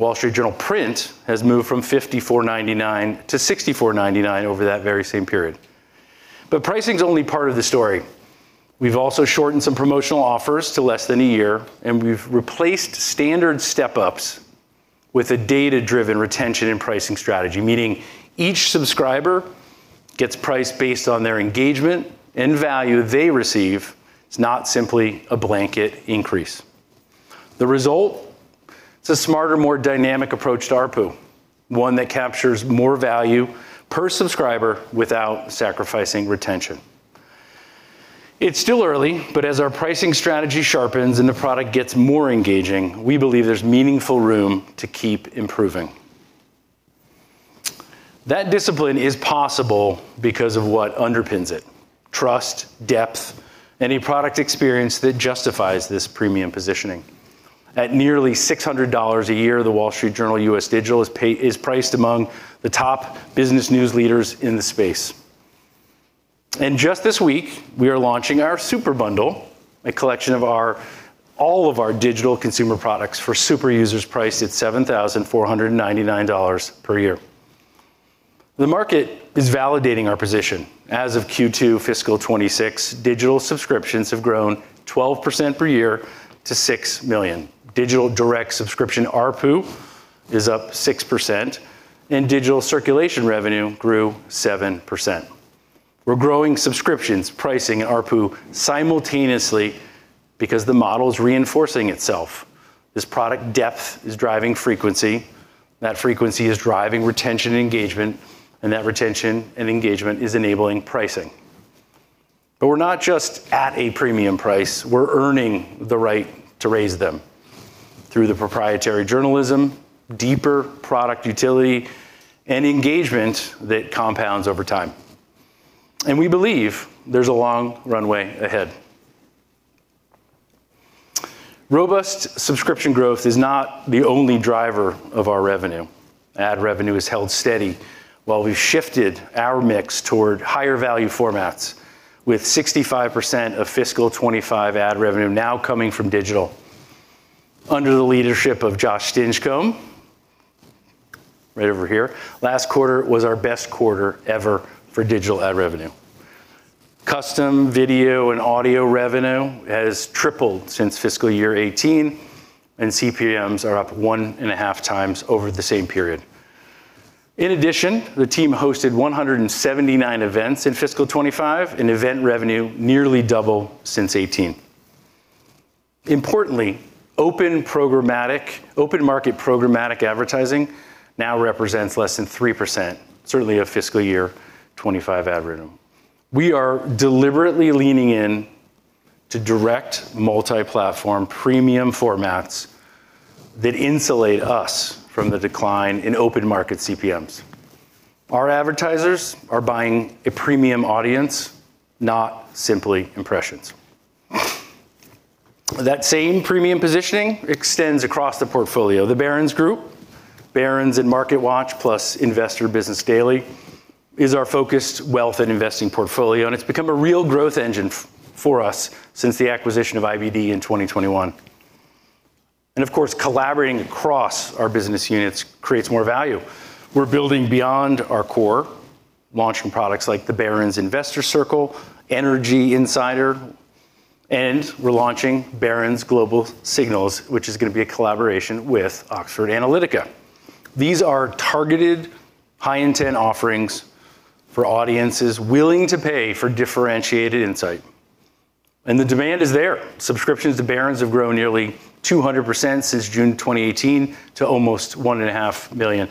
Wall Street Journal print has moved from $54.99-$64.99 over that very same period. Pricing's only part of the story. We've also shortened some promotional offers to less than a year, and we've replaced standard step-ups with a data-driven retention and pricing strategy, meaning each subscriber gets priced based on their engagement and value they receive. It's not simply a blanket increase. The result? It's a smarter, more dynamic approach to ARPU, one that captures more value per subscriber without sacrificing retention. It's still early, but as our pricing strategy sharpens and the product gets more engaging, we believe there's meaningful room to keep improving. That discipline is possible because of what underpins it, trust, depth, and a product experience that justifies this premium positioning. At nearly $600 a year, The Wall Street Journal US Digital is priced among the top business news leaders in the space. Just this week, we are launching our super bundle, a collection of all our digital consumer products for super users priced at $7,499 per year. The market is validating our position. As of Q2 fiscal 2026, digital subscriptions have grown 12% per year to 6 million. Digital direct subscription ARPU is up 6%, and digital circulation revenue grew 7%. We're growing subscriptions, pricing, and ARPU simultaneously because the model is reinforcing itself. This product depth is driving frequency, that frequency is driving retention and engagement, and that retention and engagement is enabling pricing. But we're not just at a premium price, we're earning the right to raise them through the proprietary journalism, deeper product utility, and engagement that compounds over time. We believe there's a long runway ahead. Robust subscription growth is not the only driver of our revenue. Ad revenue has held steady while we've shifted our mix toward higher-value formats, with 65% of fiscal 2025 ad revenue now coming from digital. Under the leadership of Josh Stinchcomb, right over here, last quarter was our best quarter ever for digital ad revenue. Custom video and audio revenue has tripled since fiscal year 2018, and CPMs are up 1.5 times over the same period. In addition, the team hosted 179 events in fiscal 2025, and event revenue nearly doubled since 2018. Importantly, open market programmatic advertising now represents less than 3%, certainly of fiscal year 2025 ad revenue. We are deliberately leaning in to direct multi-platform premium formats that insulate us from the decline in open market CPMs. Our advertisers are buying a premium audience, not simply impressions. That same premium positioning extends across the portfolio. The Barron's Group, Barron's and MarketWatch, plus Investor's Business Daily, is our focused wealth and investing portfolio, and it's become a real growth engine for us since the acquisition of IBD in 2021. Of course, collaborating across our business units creates more value. We're building beyond our core, launching products like the Barron's Investor Circle, Barron's Energy Insider, and we're launching Barron's Global Signals, which is gonna be a collaboration with Oxford Analytica. These are targeted high-intent offerings for audiences willing to pay for differentiated insight. The demand is there. Subscriptions to Barron's have grown nearly 200% since June 2018 to almost 1.5 million.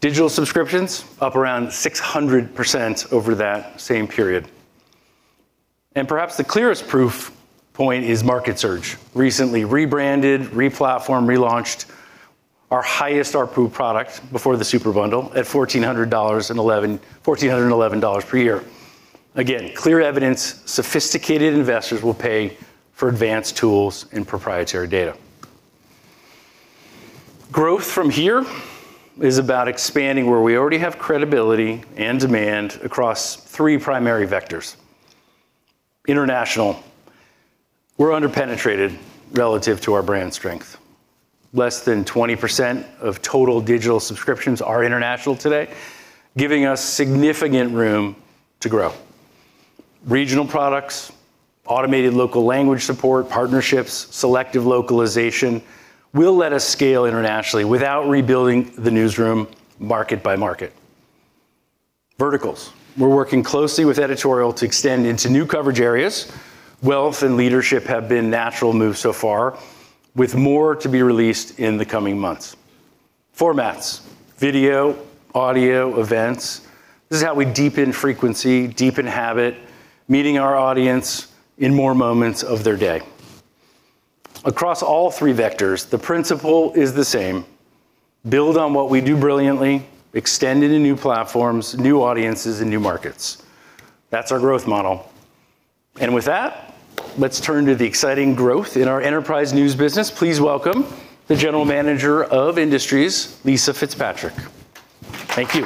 Digital subscriptions up around 600% over that same period. Perhaps the clearest proof point is MarketWatch, recently rebranded, re-platformed, relaunched our highest ARPU product before the super bundle at $1,411 per year. Again, clear evidence sophisticated investors will pay for advanced tools and proprietary data. Growth from here is about expanding where we already have credibility and demand across three primary vectors. International, we're under-penetrated relative to our brand strength. Less than 20% of total digital subscriptions are international today, giving us significant room to grow. Regional products, automated local language support, partnerships, selective localization will let us scale internationally without rebuilding the newsroom market by market. Verticals. We're working closely with editorial to extend into new coverage areas. Wealth and leadership have been natural moves so far, with more to be released in the coming months. Formats, video, audio, events. This is how we deepen frequency, deepen habit, meeting our audience in more moments of their day. Across all three vectors, the principle is the same. Build on what we do brilliantly, extend into new platforms, new audiences, and new markets. That's our growth model. With that, let's turn to the exciting growth in our enterprise news business. Please welcome the General Manager of Industries, Lisa Fitzpatrick. Thank you.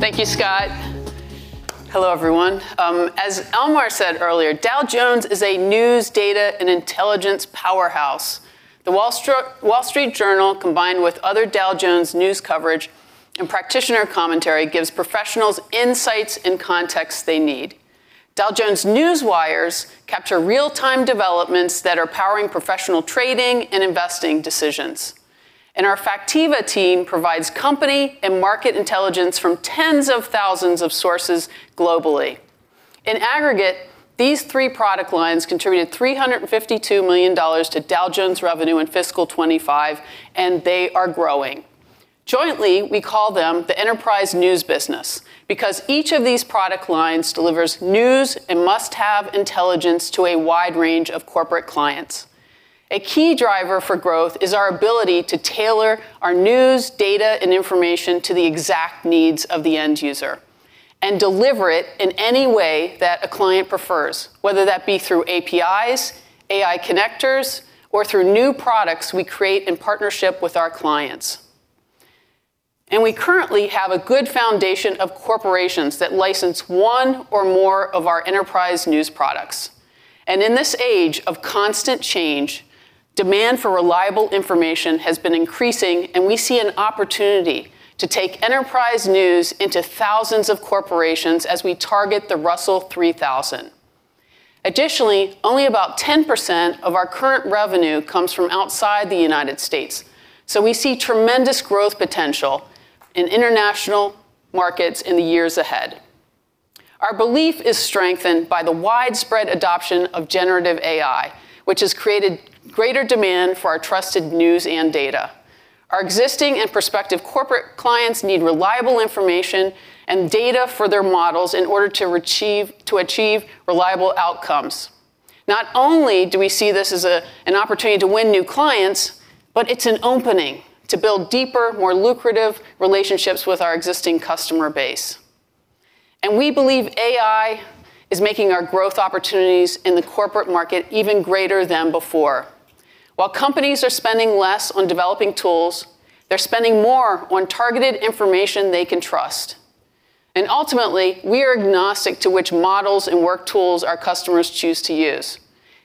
Thank you, Scott. Hello, everyone. As Almar said earlier, Dow Jones is a news, data, and intelligence powerhouse. The Wall Street Journal, combined with other Dow Jones news coverage and practitioner commentary, gives professionals insights and context they need. Dow Jones Newswires capture real-time developments that are powering professional trading and investing decisions. Our Factiva team provides company and market intelligence from tens of thousands of sources globally. In aggregate, these three product lines contributed $352 million to Dow Jones revenue in fiscal 2025, and they are growing. Jointly, we call them the enterprise news business because each of these product lines delivers news and must-have intelligence to a wide range of corporate clients. A key driver for growth is our ability to tailor our news, data, and information to the exact needs of the end user and deliver it in any way that a client prefers, whether that be through APIs, AI connectors, or through new products we create in partnership with our clients. We currently have a good foundation of corporations that license one or more of our enterprise news products. In this age of constant change, demand for reliable information has been increasing, and we see an opportunity to take enterprise news into thousands of corporations as we target the Russell 3000. Additionally, only about 10% of our current revenue comes from outside the United States, so we see tremendous growth potential in international markets in the years ahead. Our belief is strengthened by the widespread adoption of generative AI, which has created greater demand for our trusted news and data. Our existing and prospective corporate clients need reliable information and data for their models in order to achieve reliable outcomes. Not only do we see this as an opportunity to win new clients, but it's an opening to build deeper, more lucrative relationships with our existing customer base. We believe AI is making our growth opportunities in the corporate market even greater than before. While companies are spending less on developing tools, they're spending more on targeted information they can trust. Ultimately, we are agnostic to which models and work tools our customers choose to use.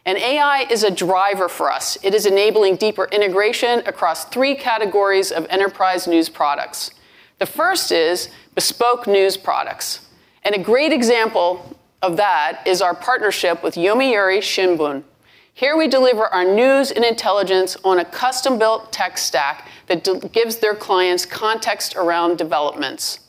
AI is a driver for us. It is enabling deeper integration across three categories of enterprise news products. The first is bespoke news products, and a great example of that is our partnership with Yomiuri Shimbun. Here, we deliver our news and intelligence on a custom-built tech stack that gives their clients context around developments.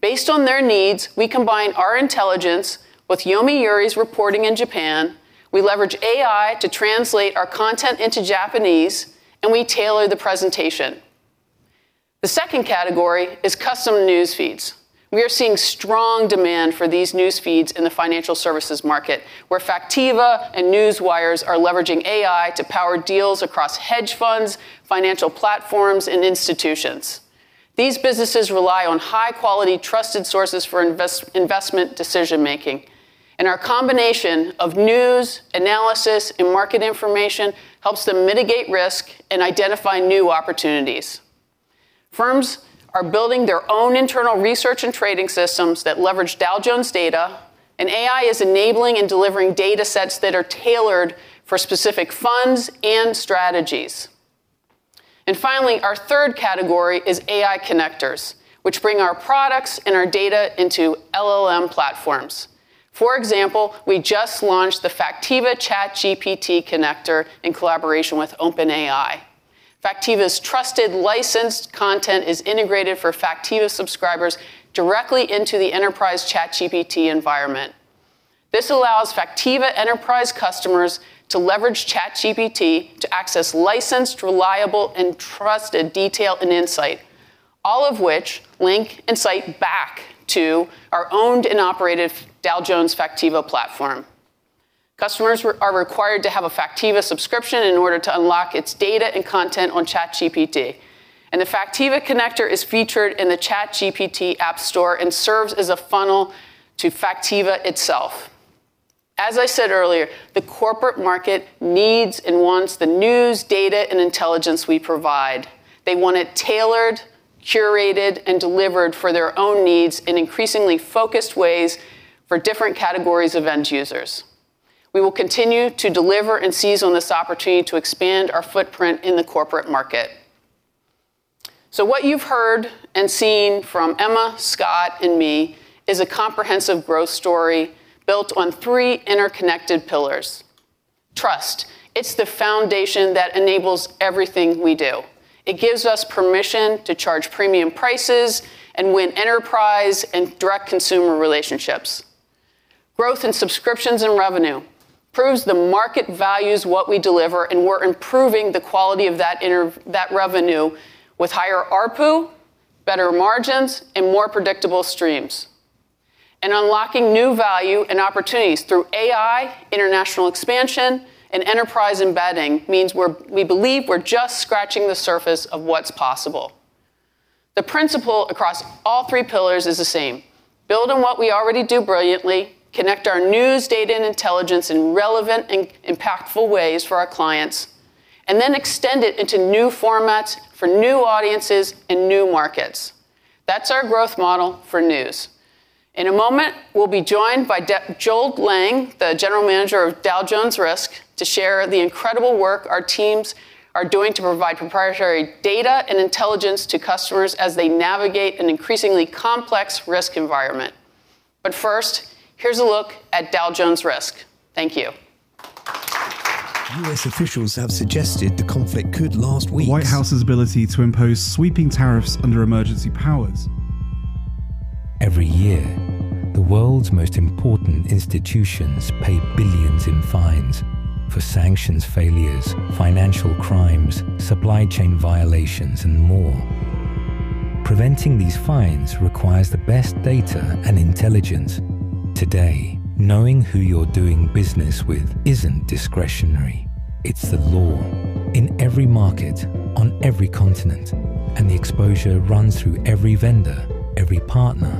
Based on their needs, we combine our intelligence with Yomiuri's reporting in Japan, we leverage AI to translate our content into Japanese, and we tailor the presentation. The second category is custom news feeds. We are seeing strong demand for these news feeds in the financial services market, where Factiva and Newswires are leveraging AI to power deals across hedge funds, financial platforms, and institutions. These businesses rely on high-quality trusted sources for investment decision-making, and our combination of news, analysis, and market information helps them mitigate risk and identify new opportunities. Firms are building their own internal research and trading systems that leverage Dow Jones data, and AI is enabling and delivering datasets that are tailored for specific funds and strategies. Finally, our third category is AI connectors, which bring our products and our data into LLM platforms. For example, we just launched the Factiva ChatGPT connector in collaboration with OpenAI. Factiva's trusted licensed content is integrated for Factiva subscribers directly into the enterprise ChatGPT environment. This allows Factiva enterprise customers to leverage ChatGPT to access licensed, reliable, and trusted detail and insight, all of which link insight back to our owned and operated Dow Jones Factiva platform. Customers are required to have a Factiva subscription in order to unlock its data and content on ChatGPT. The Factiva connector is featured in the ChatGPT app store and serves as a funnel to Factiva itself. As I said earlier, the corporate market needs and wants the news, data, and intelligence we provide. They want it tailored, curated, and delivered for their own needs in increasingly focused ways for different categories of end users. We will continue to deliver and seize on this opportunity to expand our footprint in the corporate market. What you've heard and seen from Emma, Scott, and me is a comprehensive growth story built on three interconnected pillars. Trust, it's the foundation that enables everything we do. It gives us permission to charge premium prices and win enterprise and direct consumer relationships. Growth in subscriptions and revenue proves the market values what we deliver, and we're improving the quality of that revenue with higher ARPU, better margins, and more predictable streams. Unlocking new value and opportunities through AI, international expansion, and enterprise embedding means we're, we believe we're just scratching the surface of what's possible. The principle across all three pillars is the same, build on what we already do brilliantly, connect our news, data, and intelligence in relevant and impactful ways for our clients, and then extend it into new formats for new audiences and new markets. That's our growth model for news. In a moment, we'll be joined by Joel Lange, the General Manager of Dow Jones Risk, to share the incredible work our teams are doing to provide proprietary data and intelligence to customers as they navigate an increasingly complex risk environment. First, here's a look at Dow Jones Risk. Thank you. U.S. officials have suggested the conflict could last weeks. White House's ability to impose sweeping tariffs under emergency powers. Every year, the world's most important institutions pay billions in fines for sanctions failures, financial crimes, supply chain violations, and more. Preventing these fines requires the best data and intelligence. Today, knowing who you're doing business with isn't discretionary. It's the law in every market on every continent, and the exposure runs through every vendor, every partner,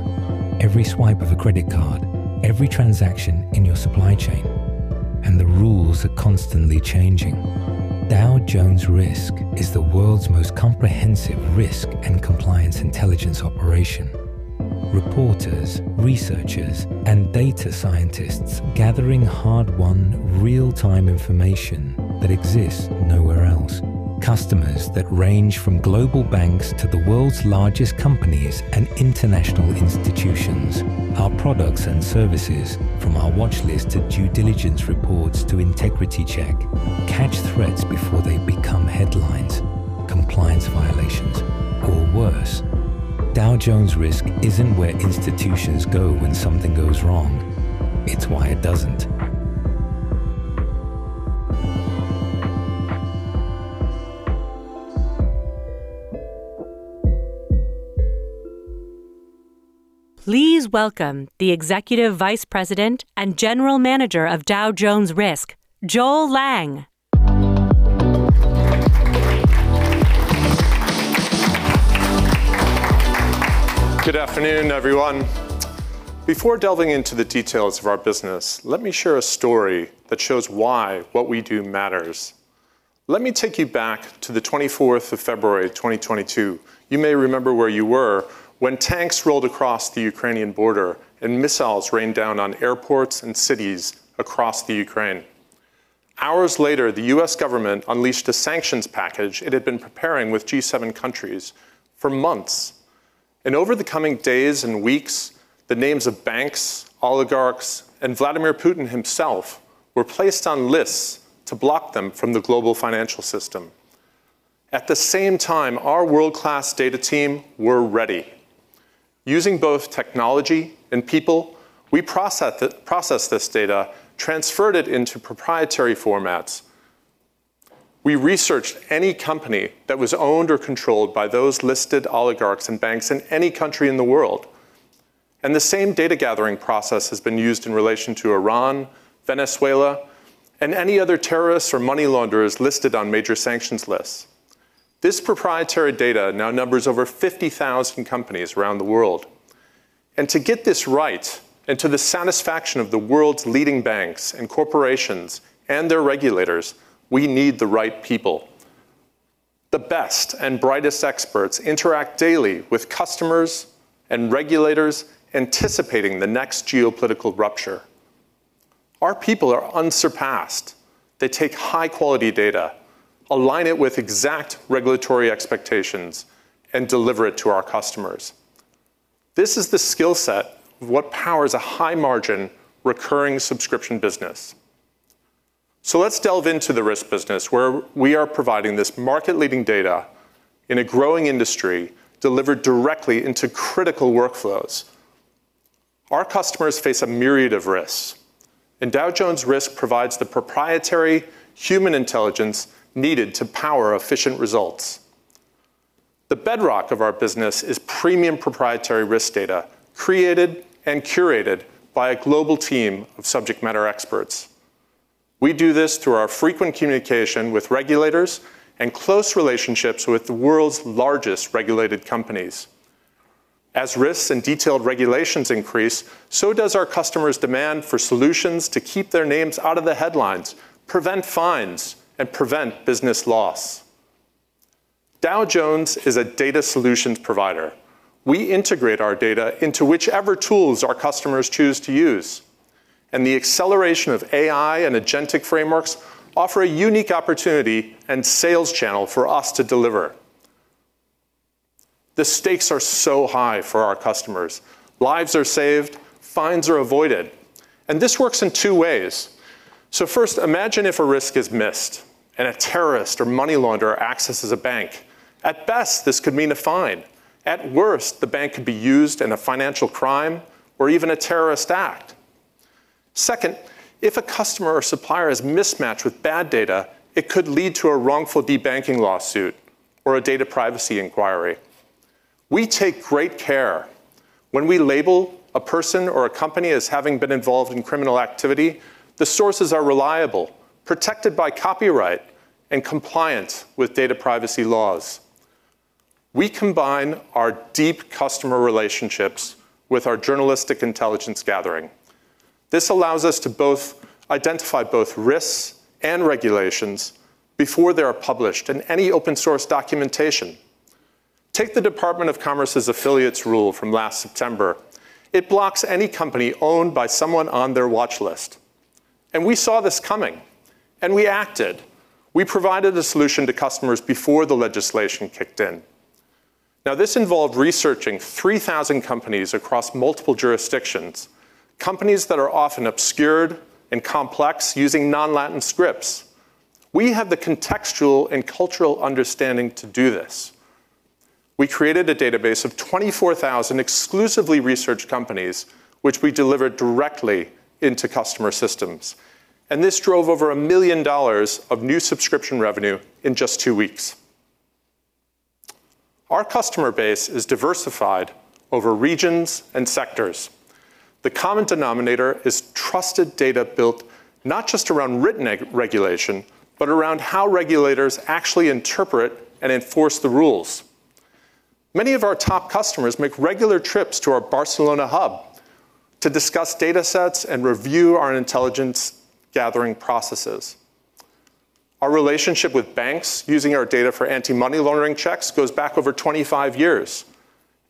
every swipe of a credit card, every transaction in your supply chain, and the rules are constantly changing. Dow Jones Risk & Compliance is the world's most comprehensive risk and compliance intelligence operation. Reporters, researchers, and data scientists gathering hard-won, real-time information that exists nowhere else. Customers that range from global banks to the world's largest companies and international institutions. Our products and services, from our watch list to due diligence reports to Integrity Check, catch threats before they become headlines, compliance violations, or worse. Dow Jones Risk isn't where institutions go when something goes wrong. It's why it doesn't. Please welcome the Executive Vice President and General Manager of Dow Jones Risk, Joel Lange. Good afternoon, everyone. Before delving into the details of our business, let me share a story that shows why what we do matters. Let me take you back to the 24th of February, 2022. You may remember where you were when tanks rolled across the Ukrainian border and missiles rained down on airports and cities across the Ukraine. Hours later, the U.S. government unleashed a sanctions package it had been preparing with G7 countries for months. Over the coming days and weeks, the names of banks, oligarchs, and Vladimir Putin himself were placed on lists to block them from the global financial system. At the same time, our world-class data team were ready. Using both technology and people, we processed this data, transferred it into proprietary formats. We researched any company that was owned or controlled by those listed oligarchs and banks in any country in the world. The same data-gathering process has been used in relation to Iran, Venezuela, and any other terrorists or money launderers listed on major sanctions lists. This proprietary data now numbers over 50,000 companies around the world. To get this right, and to the satisfaction of the world's leading banks and corporations and their regulators, we need the right people. The best and brightest experts interact daily with customers and regulators, anticipating the next geopolitical rupture. Our people are unsurpassed. They take high-quality data, align it with exact regulatory expectations, and deliver it to our customers. This is the skill set of what powers a high-margin recurring subscription business. Let's delve into the risk business, where we are providing this market-leading data in a growing industry delivered directly into critical workflows. Our customers face a myriad of risks, and Dow Jones Risk provides the proprietary human intelligence needed to power efficient results. The bedrock of our business is premium proprietary risk data, created and curated by a global team of subject matter experts. We do this through our frequent communication with regulators and close relationships with the world's largest regulated companies. As risks and detailed regulations increase, so does our customers' demand for solutions to keep their names out of the headlines, prevent fines, and prevent business loss. Dow Jones is a data solutions provider. We integrate our data into whichever tools our customers choose to use. The acceleration of AI and agentic frameworks offer a unique opportunity and sales channel for us to deliver. The stakes are so high for our customers. Lives are saved, fines are avoided. This works in two ways. First, imagine if a risk is missed and a terrorist or money launderer accesses a bank. At best, this could mean a fine. At worst, the bank could be used in a financial crime or even a terrorist act. Second, if a customer or supplier is mismatched with bad data, it could lead to a wrongful debanking lawsuit or a data privacy inquiry. We take great care when we label a person or a company as having been involved in criminal activity. The sources are reliable, protected by copyright, and compliant with data privacy laws. We combine our deep customer relationships with our journalistic intelligence gathering. This allows us to both identify risks and regulations before they are published in any open-source documentation. Take the Department of Commerce's affiliates rule from last September. It blocks any company owned by someone on their watch list. We saw this coming, and we acted. We provided a solution to customers before the legislation kicked in. Now, this involved researching 3,000 companies across multiple jurisdictions, companies that are often obscured and complex using non-Latin scripts. We have the contextual and cultural understanding to do this. We created a database of 24,000 exclusively researched companies, which we delivered directly into customer systems. This drove over $1 million of new subscription revenue in just two weeks. Our customer base is diversified over regions and sectors. The common denominator is trusted data built not just around written regulation, but around how regulators actually interpret and enforce the rules. Many of our top customers make regular trips to our Barcelona hub to discuss data sets and review our intelligence gathering processes. Our relationship with banks using our data for anti-money laundering checks goes back over 25 years,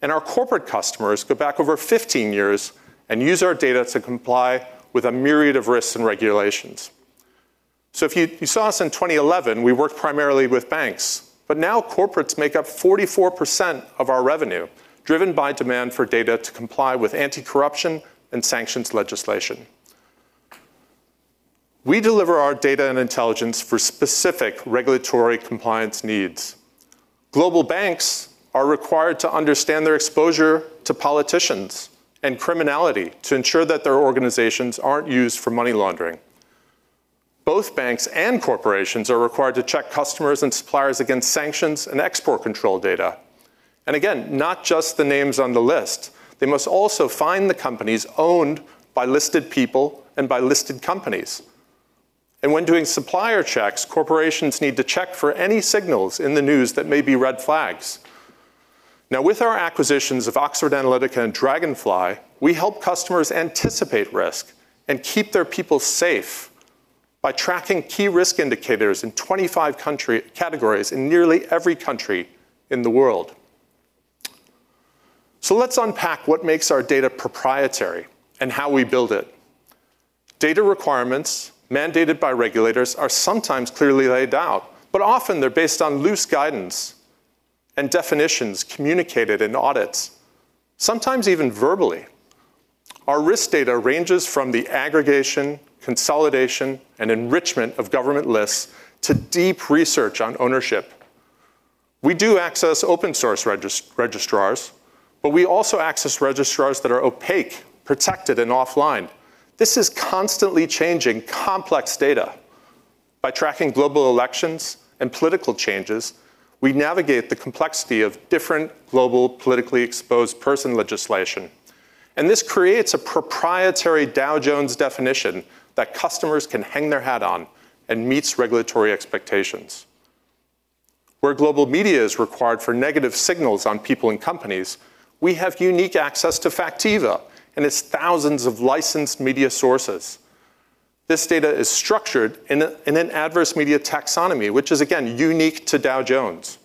and our corporate customers go back over 15 years and use our data to comply with a myriad of risks and regulations. If you saw us in 2011, we worked primarily with banks, but now corporates make up 44% of our revenue, driven by demand for data to comply with anti-corruption and sanctions legislation. We deliver our data and intelligence for specific regulatory compliance needs. Global banks are required to understand their exposure to politicians and criminality to ensure that their organizations aren't used for money laundering. Both banks and corporations are required to check customers and suppliers against sanctions and export control data. Again, not just the names on the list. They must also find the companies owned by listed people and by listed companies. When doing supplier checks, corporations need to check for any signals in the news that may be red flags. Now, with our acquisitions of Oxford Analytica and Dragonfly, we help customers anticipate risk and keep their people safe by tracking key risk indicators in 25 country categories in nearly every country in the world. Let's unpack what makes our data proprietary and how we build it. Data requirements mandated by regulators are sometimes clearly laid out, but often they're based on loose guidance and definitions communicated in audits, sometimes even verbally. Our risk data ranges from the aggregation, consolidation, and enrichment of government lists to deep research on ownership. We do access open-source registrars, but we also access registrars that are opaque, protected, and offline. This is constantly changing complex data. By tracking global elections and political changes, we navigate the complexity of different global politically exposed person legislation. This creates a proprietary Dow Jones definition that customers can hang their hat on and meets regulatory expectations. Where global media is required for negative signals on people and companies, we have unique access to Factiva and its thousands of licensed media sources. This data is structured in an adverse media taxonomy, which is again, unique to Dow Jones.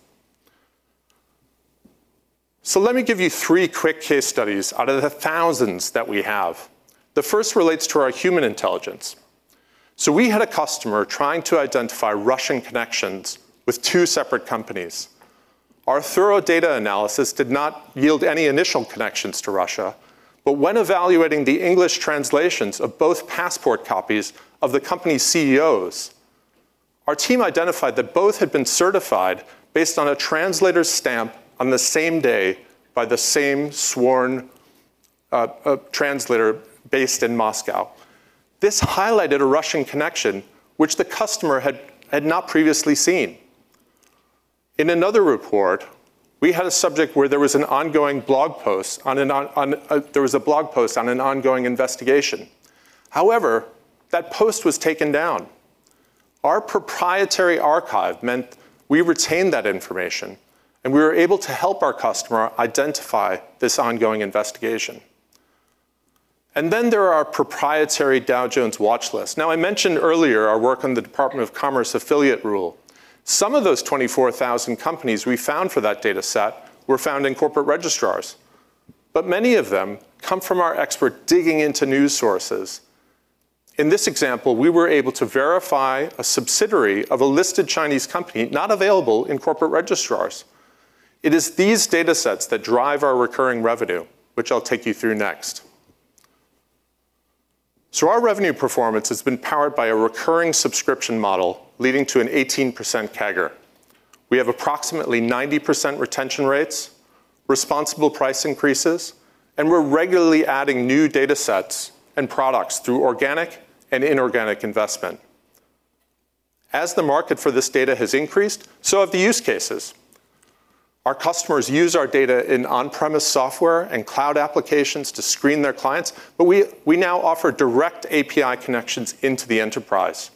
Let me give you three quick case studies out of the thousands that we have. The first relates to our human intelligence. We had a customer trying to identify Russian connections with two separate companies. Our thorough data analysis did not yield any initial connections to Russia, but when evaluating the English translations of both passport copies of the company's CEOs, our team identified that both had been certified based on a translator's stamp on the same day by the same sworn translator based in Moscow. This highlighted a Russian connection which the customer had not previously seen. In another report, we had a subject where there was a blog post on an ongoing investigation. However, that post was taken down. Our proprietary archive meant we retained that information, and we were able to help our customer identify this ongoing investigation. Then there are our proprietary Dow Jones watch lists. Now, I mentioned earlier our work on the Department of Commerce affiliate rule. Some of those 24,000 companies we found for that data set were found in corporate registrars, but many of them come from our expert digging into news sources. In this example, we were able to verify a subsidiary of a listed Chinese company not available in corporate registrars. It is these data sets that drive our recurring revenue, which I'll take you through next. Our revenue performance has been powered by a recurring subscription model, leading to an 18% CAGR. We have approximately 90% retention rates, responsible price increases, and we're regularly adding new data sets and products through organic and inorganic investment. As the market for this data has increased, so have the use cases. Our customers use our data in on-premise software and cloud applications to screen their clients, but we now offer direct API connections into the enterprise.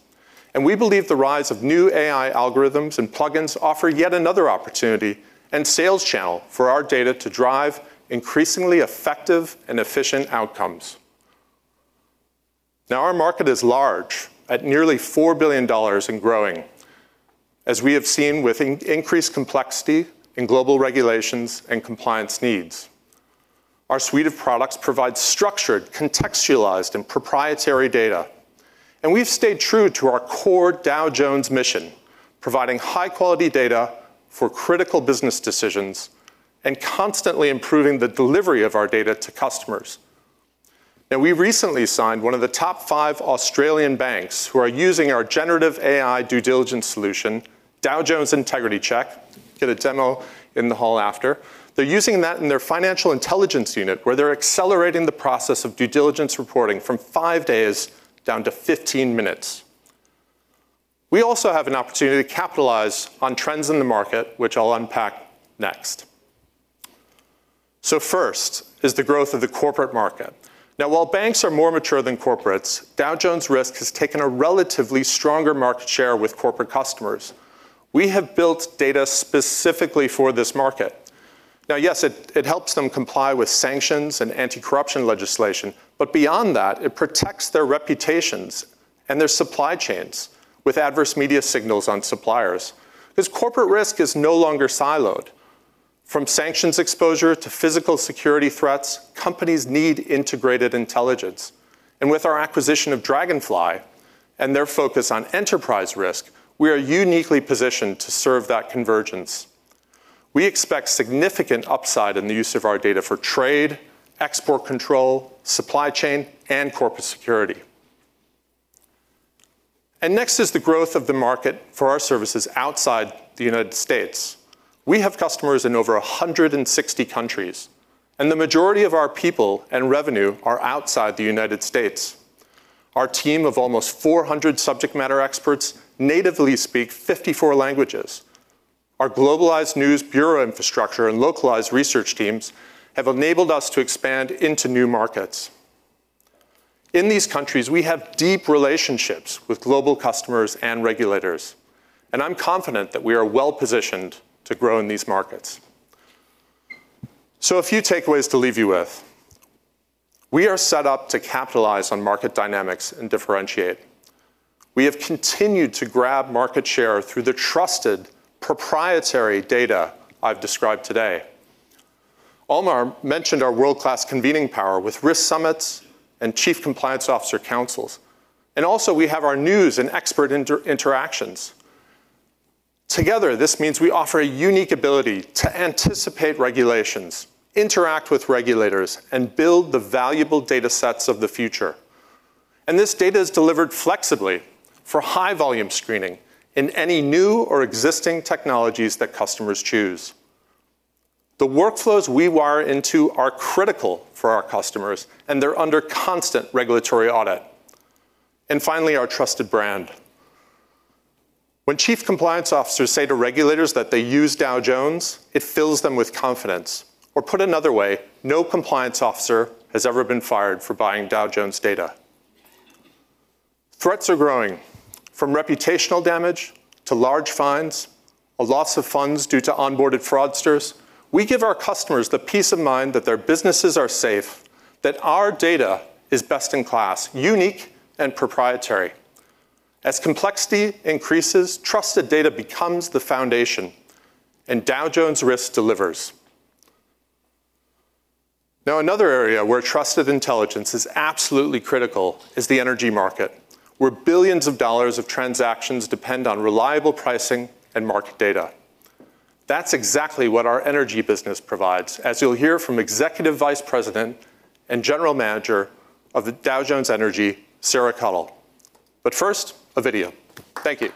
We believe the rise of new AI algorithms and plugins offer yet another opportunity and sales channel for our data to drive increasingly effective and efficient outcomes. Now, our market is large at nearly $4 billion and growing, as we have seen with increased complexity in global regulations and compliance needs. Our suite of products provide structured, contextualized, and proprietary data. We've stayed true to our core Dow Jones mission, providing high-quality data for critical business decisions and constantly improving the delivery of our data to customers. Now, we recently signed one of the top five Australian banks who are using our generative AI due diligence solution, Dow Jones Integrity Check. Get a demo in the hall after. They're using that in their financial intelligence unit, where they're accelerating the process of due diligence reporting from five days down to 15 minutes. We also have an opportunity to capitalize on trends in the market, which I'll unpack next. First is the growth of the corporate market. Now, while banks are more mature than corporates, Dow Jones Risk has taken a relatively stronger market share with corporate customers. We have built data specifically for this market. Now, yes, it helps them comply with sanctions and anti-corruption legislation. Beyond that, it protects their reputations and their supply chains with adverse media signals on suppliers, because corporate risk is no longer siloed. From sanctions exposure to physical security threats, companies need integrated intelligence. With our acquisition of Dragonfly and their focus on enterprise risk, we are uniquely positioned to serve that convergence. We expect significant upside in the use of our data for trade, export control, supply chain, and corporate security. Next is the growth of the market for our services outside the United States. We have customers in over 160 countries, and the majority of our people and revenue are outside the United States. Our team of almost 400 subject matter experts natively speak 54 languages. Our globalized news bureau infrastructure and localized research teams have enabled us to expand into new markets. In these countries, we have deep relationships with global customers and regulators, and I'm confident that we are well-positioned to grow in these markets. A few takeaways to leave you with. We are set up to capitalize on market dynamics and differentiate. We have continued to grab market share through the trusted proprietary data I've described today. Almar mentioned our world-class convening power with risk summits and chief compliance officer councils. We also have our news and expert interactions. Together, this means we offer a unique ability to anticipate regulations, interact with regulators, and build the valuable data sets of the future. This data is delivered flexibly for high-volume screening in any new or existing technologies that customers choose. The workflows we wire into are critical for our customers, and they're under constant regulatory audit. Finally, our trusted brand. When chief compliance officers say to regulators that they use Dow Jones, it fills them with confidence. Put another way, no compliance officer has ever been fired for buying Dow Jones data. Threats are growing from reputational damage to large fines or loss of funds due to onboarded fraudsters. We give our customers the peace of mind that their businesses are safe, that our data is best in class, unique and proprietary. As complexity increases, trusted data becomes the foundation and Dow Jones Risk delivers. Now, another area where trusted intelligence is absolutely critical is the energy market, where billions of dollars of transactions depend on reliable pricing and market data. That's exactly what our energy business provides, as you'll hear from Executive Vice President and General Manager of Dow Jones Energy, Sarah Cottle. First, a video. Thank you.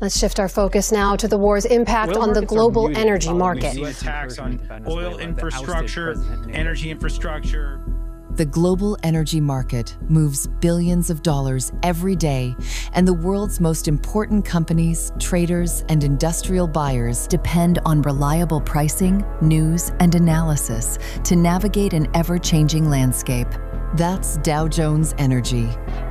Let's shift our focus now to the war's impact on the global energy market. Oil markets are moving. We've seen attacks on oil infrastructure, energy infrastructure. The global energy market moves billions of dollars every day, and the world's most important companies, traders, and industrial buyers depend on reliable pricing, news, and analysis to navigate an ever-changing landscape. That's Dow Jones Energy.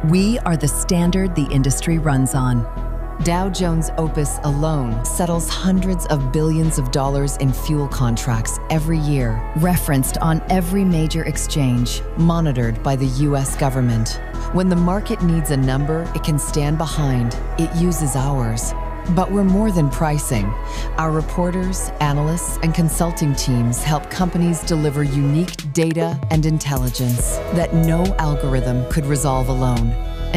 We are the standard the industry runs on. Dow Jones OPIS alone settles hundreds of billions of dollars in fuel contracts every year, referenced on every major exchange monitored by the U.S. government. When the market needs a number it can stand behind, it uses ours. We're more than pricing. Our reporters, analysts, and consulting teams help companies deliver unique data and intelligence that no algorithm could resolve alone.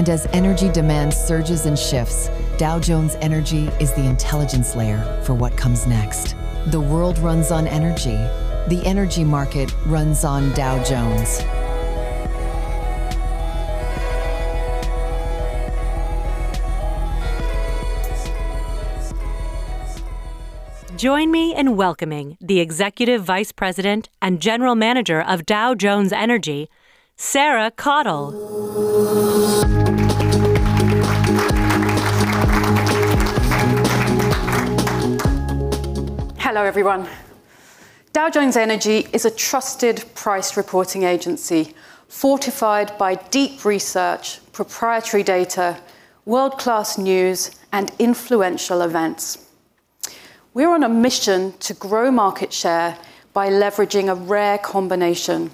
As energy demand surges and shifts, Dow Jones Energy is the intelligence layer for what comes next. The world runs on energy. The energy market runs on Dow Jones. Join me in welcoming the Executive Vice President and General Manager of Dow Jones Energy, Sarah Cottle. Hello, everyone. Dow Jones Energy is a trusted price reporting agency fortified by deep research, proprietary data, world-class news, and influential events. We're on a mission to grow market share by leveraging a rare combination,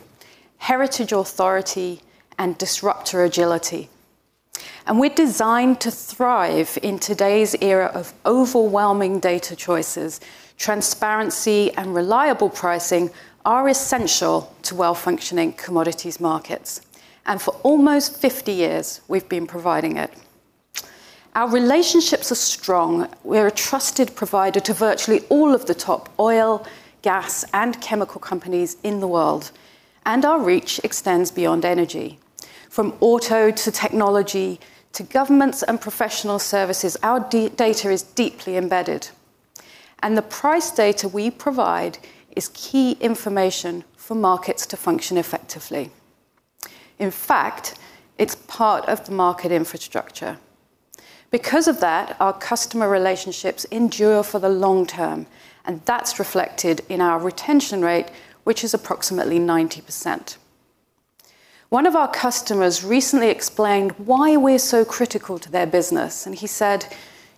heritage authority and disruptor agility. We're designed to thrive in today's era of overwhelming data choices. Transparency and reliable pricing are essential to well-functioning commodities markets. For almost 50 years, we've been providing it. Our relationships are strong. We're a trusted provider to virtually all of the top oil, gas, and chemical companies in the world, and our reach extends beyond energy. From auto to technology to governments and professional services, our data is deeply embedded, and the price data we provide is key information for markets to function effectively. In fact, it's part of the market infrastructure. Because of that, our customer relationships endure for the long term, and that's reflected in our retention rate, which is approximately 90%. One of our customers recently explained why we're so critical to their business, and he said,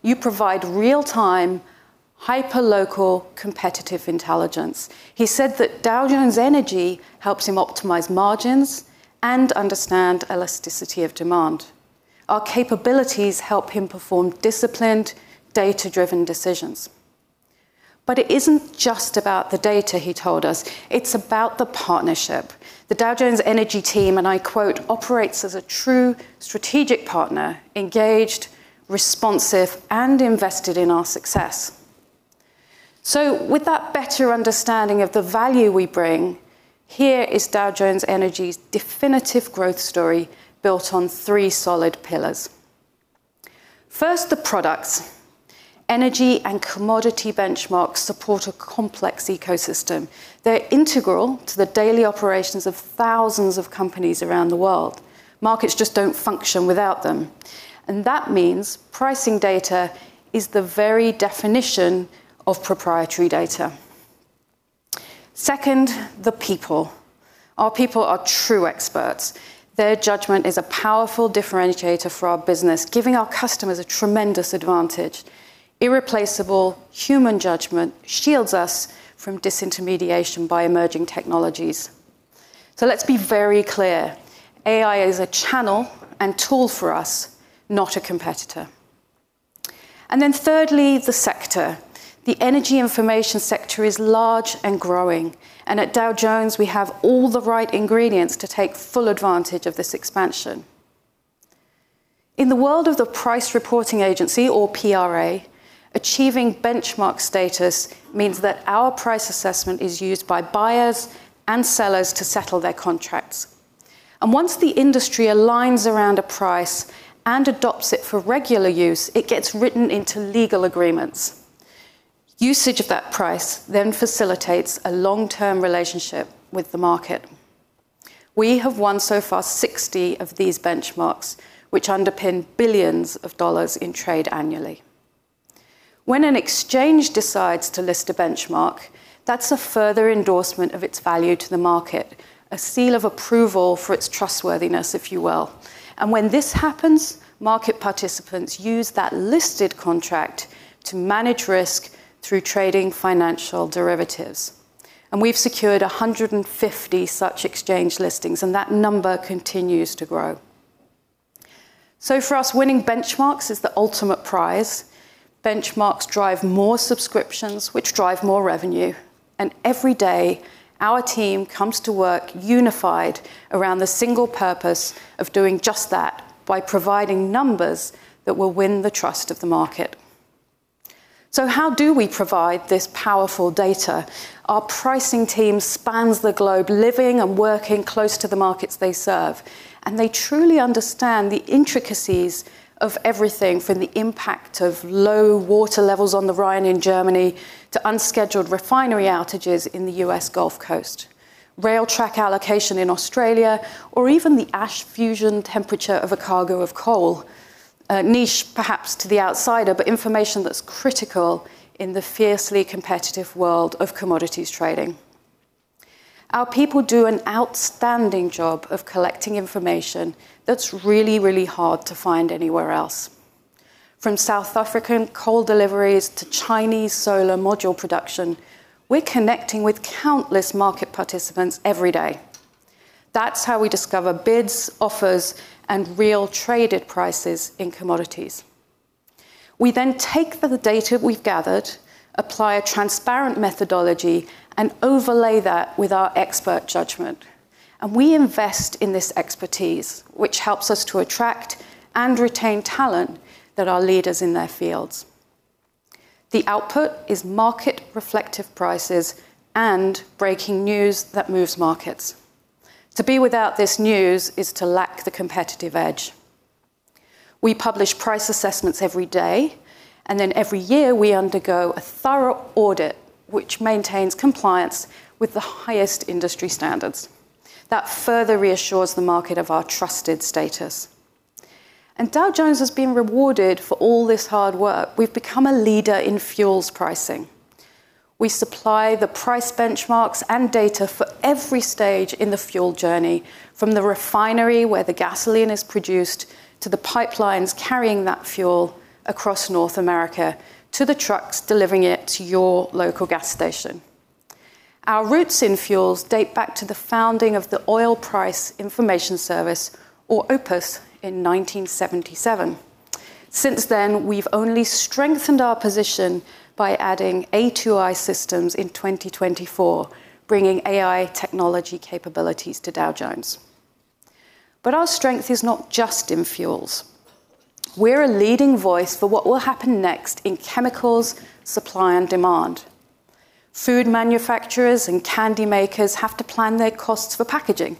"You provide real-time, hyperlocal competitive intelligence." He said that Dow Jones Energy helps him optimize margins and understand elasticity of demand. Our capabilities help him perform disciplined, data-driven decisions. "But it isn't just about the data," he told us. "It's about the partnership." The Dow Jones Energy team, and I quote, "Operates as a true strategic partner, engaged, responsive, and invested in our success." With that better understanding of the value we bring, here is Dow Jones Energy's definitive growth story built on three solid pillars. First, the products. Energy and commodity benchmarks support a complex ecosystem. They're integral to the daily operations of thousands of companies around the world. Markets just don't function without them, and that means pricing data is the very definition of proprietary data. Second, the people. Our people are true experts. Their judgment is a powerful differentiator for our business, giving our customers a tremendous advantage. Irreplaceable human judgment shields us from disintermediation by emerging technologies. Let's be very clear, AI is a channel and tool for us, not a competitor. Then thirdly, the sector. The energy information sector is large and growing, and at Dow Jones we have all the right ingredients to take full advantage of this expansion. In the world of the price reporting agency or PRA, achieving benchmark status means that our price assessment is used by buyers and sellers to settle their contracts. Once the industry aligns around a price and adopts it for regular use, it gets written into legal agreements. Usage of that price then facilitates a long-term relationship with the market. We have won so far 60 of these benchmarks, which underpin billions of dollars in trade annually. When an exchange decides to list a benchmark, that's a further endorsement of its value to the market, a seal of approval for its trustworthiness, if you will. When this happens, market participants use that listed contract to manage risk through trading financial derivatives. We've secured 150 such exchange listings, and that number continues to grow. For us, winning benchmarks is the ultimate prize. Benchmarks drive more subscriptions, which drive more revenue. Every day our team comes to work unified around the single purpose of doing just that, by providing numbers that will win the trust of the market. How do we provide this powerful data? Our pricing team spans the globe, living and working close to the markets they serve, and they truly understand the intricacies of everything from the impact of low water levels on the Rhine in Germany to unscheduled refinery outages in the U.S. Gulf Coast, rail track allocation in Australia, or even the ash fusion temperature of a cargo of coal. A niche perhaps to the outsider, but information that's critical in the fiercely competitive world of commodities trading. Our people do an outstanding job of collecting information that's really, really hard to find anywhere else. From South African coal deliveries to Chinese solar module production, we're connecting with countless market participants every day. That's how we discover bids, offers, and real traded prices in commodities. We then take the data we've gathered, apply a transparent methodology, and overlay that with our expert judgment. We invest in this expertise, which helps us to attract and retain talent that are leaders in their fields. The output is market-reflective prices and breaking news that moves markets. To be without this news is to lack the competitive edge. We publish price assessments every day, and then every year we undergo a thorough audit, which maintains compliance with the highest industry standards. That further reassures the market of our trusted status. Dow Jones has been rewarded for all this hard work. We've become a leader in fuels pricing. We supply the price benchmarks and data for every stage in the fuel journey, from the refinery where the gasoline is produced, to the pipelines carrying that fuel across North America, to the trucks delivering it to your local gas station. Our roots in fuels date back to the founding of the Oil Price Information Service, or OPIS, in 1977. Since then, we've only strengthened our position by adding A2i Systems in 2024, bringing AI technology capabilities to Dow Jones. Our strength is not just in fuels. We're a leading voice for what will happen next in chemicals supply and demand. Food manufacturers and candy makers have to plan their costs for packaging.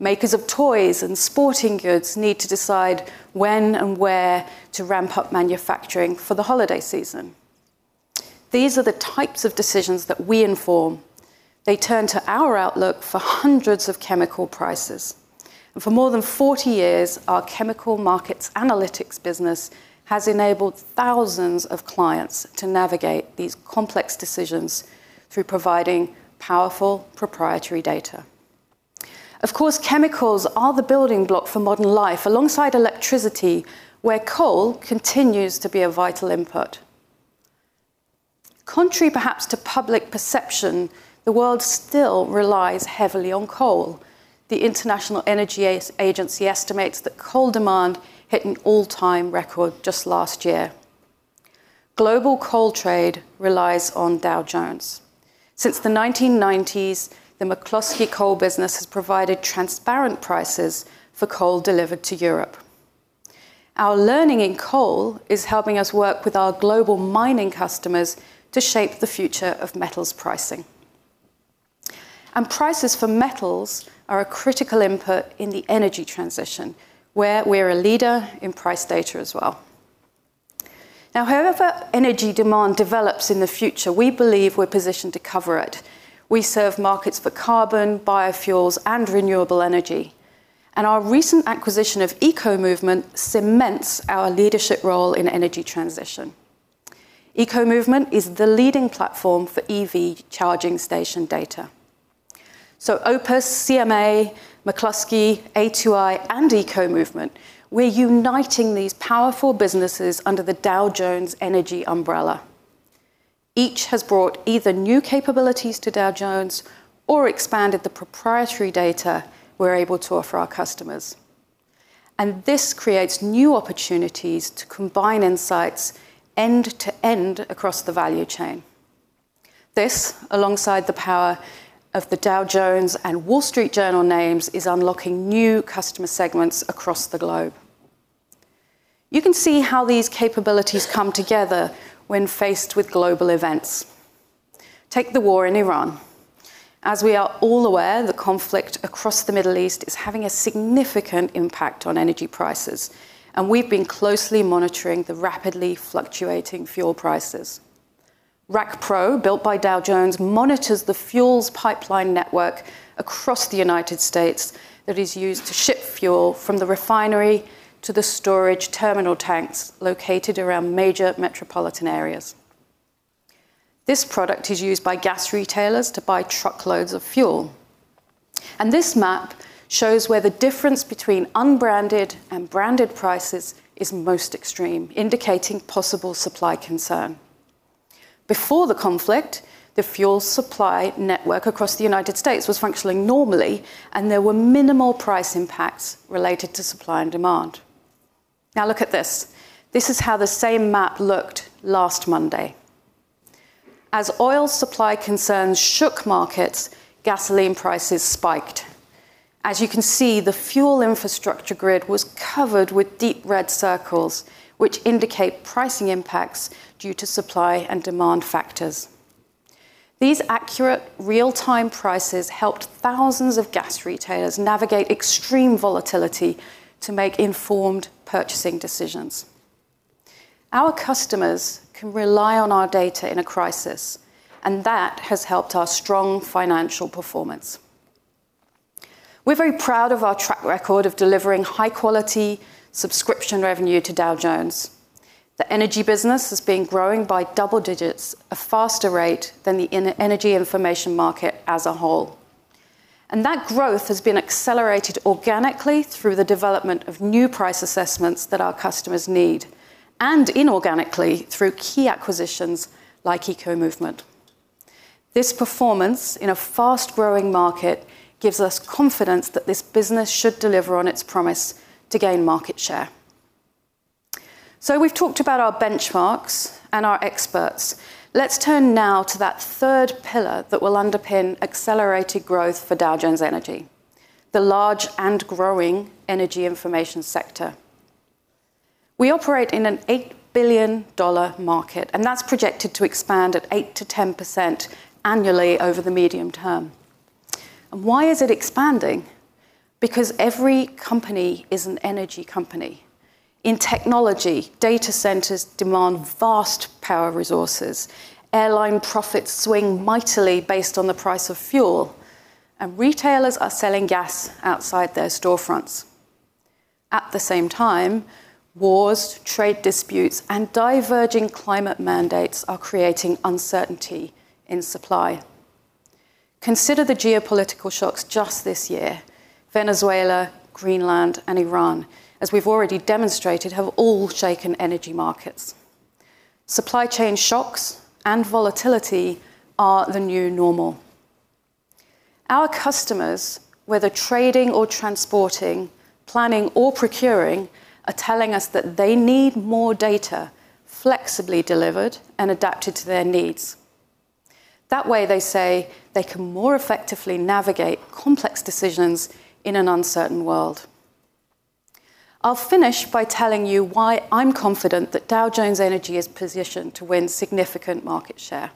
Makers of toys and sporting goods need to decide when and where to ramp up manufacturing for the holiday season. These are the types of decisions that we inform. They turn to our outlook for hundreds of chemical prices. For more than 40 years, our Chemical Markets Analytics business has enabled thousands of clients to navigate these complex decisions through providing powerful proprietary data. Of course, chemicals are the building block for modern life, alongside electricity, where coal continues to be a vital input. Contrary perhaps to public perception, the world still relies heavily on coal. The International Energy Agency estimates that coal demand hit an all-time record just last year. Global coal trade relies on Dow Jones. Since the 1990s, the McCloskey coal business has provided transparent prices for coal delivered to Europe. Our learning in coal is helping us work with our global mining customers to shape the future of metals pricing. Prices for metals are a critical input in the energy transition, where we're a leader in price data as well. Now, however energy demand develops in the future, we believe we're positioned to cover it. We serve markets for carbon, biofuels, and renewable energy, and our recent acquisition of Eco-Movement cements our leadership role in energy transition. Eco-Movement is the leading platform for EV charging station data. OPIS, CMA, McCloskey, A2i, and Eco-Movement, we're uniting these powerful businesses under the Dow Jones Energy umbrella. Each has brought either new capabilities to Dow Jones or expanded the proprietary data we're able to offer our customers. This creates new opportunities to combine insights end to end across the value chain. This, alongside the power of the Dow Jones and The Wall Street Journal names, is unlocking new customer segments across the globe. You can see how these capabilities come together when faced with global events. Take the war in Iran. As we are all aware, the conflict across the Middle East is having a significant impact on energy prices, and we've been closely monitoring the rapidly fluctuating fuel prices. RAC Pro, built by Dow Jones, monitors the fuels pipeline network across the United States that is used to ship fuel from the refinery to the storage terminal tanks located around major metropolitan areas. This product is used by gas retailers to buy truckloads of fuel. This map shows where the difference between unbranded and branded prices is most extreme, indicating possible supply concern. Before the conflict, the fuel supply network across the United States was functioning normally, and there were minimal price impacts related to supply and demand. Now look at this. This is how the same map looked last Monday. As oil supply concerns shook markets, gasoline prices spiked. As you can see, the fuel infrastructure grid was covered with deep red circles, which indicate pricing impacts due to supply and demand factors. These accurate real-time prices helped thousands of gas retailers navigate extreme volatility to make informed purchasing decisions. Our customers can rely on our data in a crisis, and that has helped our strong financial performance. We're very proud of our track record of delivering high-quality subscription revenue to Dow Jones. The energy business has been growing by double digits, a faster rate than the in-energy information market as a whole. That growth has been accelerated organically through the development of new price assessments that our customers need, and inorganically through key acquisitions like Eco-Movement. This performance in a fast-growing market gives us confidence that this business should deliver on its promise to gain market share. We've talked about our benchmarks and our experts. Let's turn now to that third pillar that will underpin accelerated growth for Dow Jones Energy, the large and growing energy information sector. We operate in an $8 billion market, and that's projected to expand at 8%-10% annually over the medium term. Why is it expanding? Because every company is an energy company. In technology, data centers demand vast power resources. Airline profits swing mightily based on the price of fuel, and retailers are selling gas outside their storefronts. At the same time, wars, trade disputes, and diverging climate mandates are creating uncertainty in supply. Consider the geopolitical shocks just this year. Venezuela, Greenland, and Iran, as we've already demonstrated, have all shaken energy markets. Supply chain shocks and volatility are the new normal. Our customers, whether trading or transporting, planning or procuring, are telling us that they need more data flexibly delivered and adapted to their needs. That way, they say, they can more effectively navigate complex decisions in an uncertain world. I'll finish by telling you why I'm confident that Dow Jones Energy is positioned to win significant market share.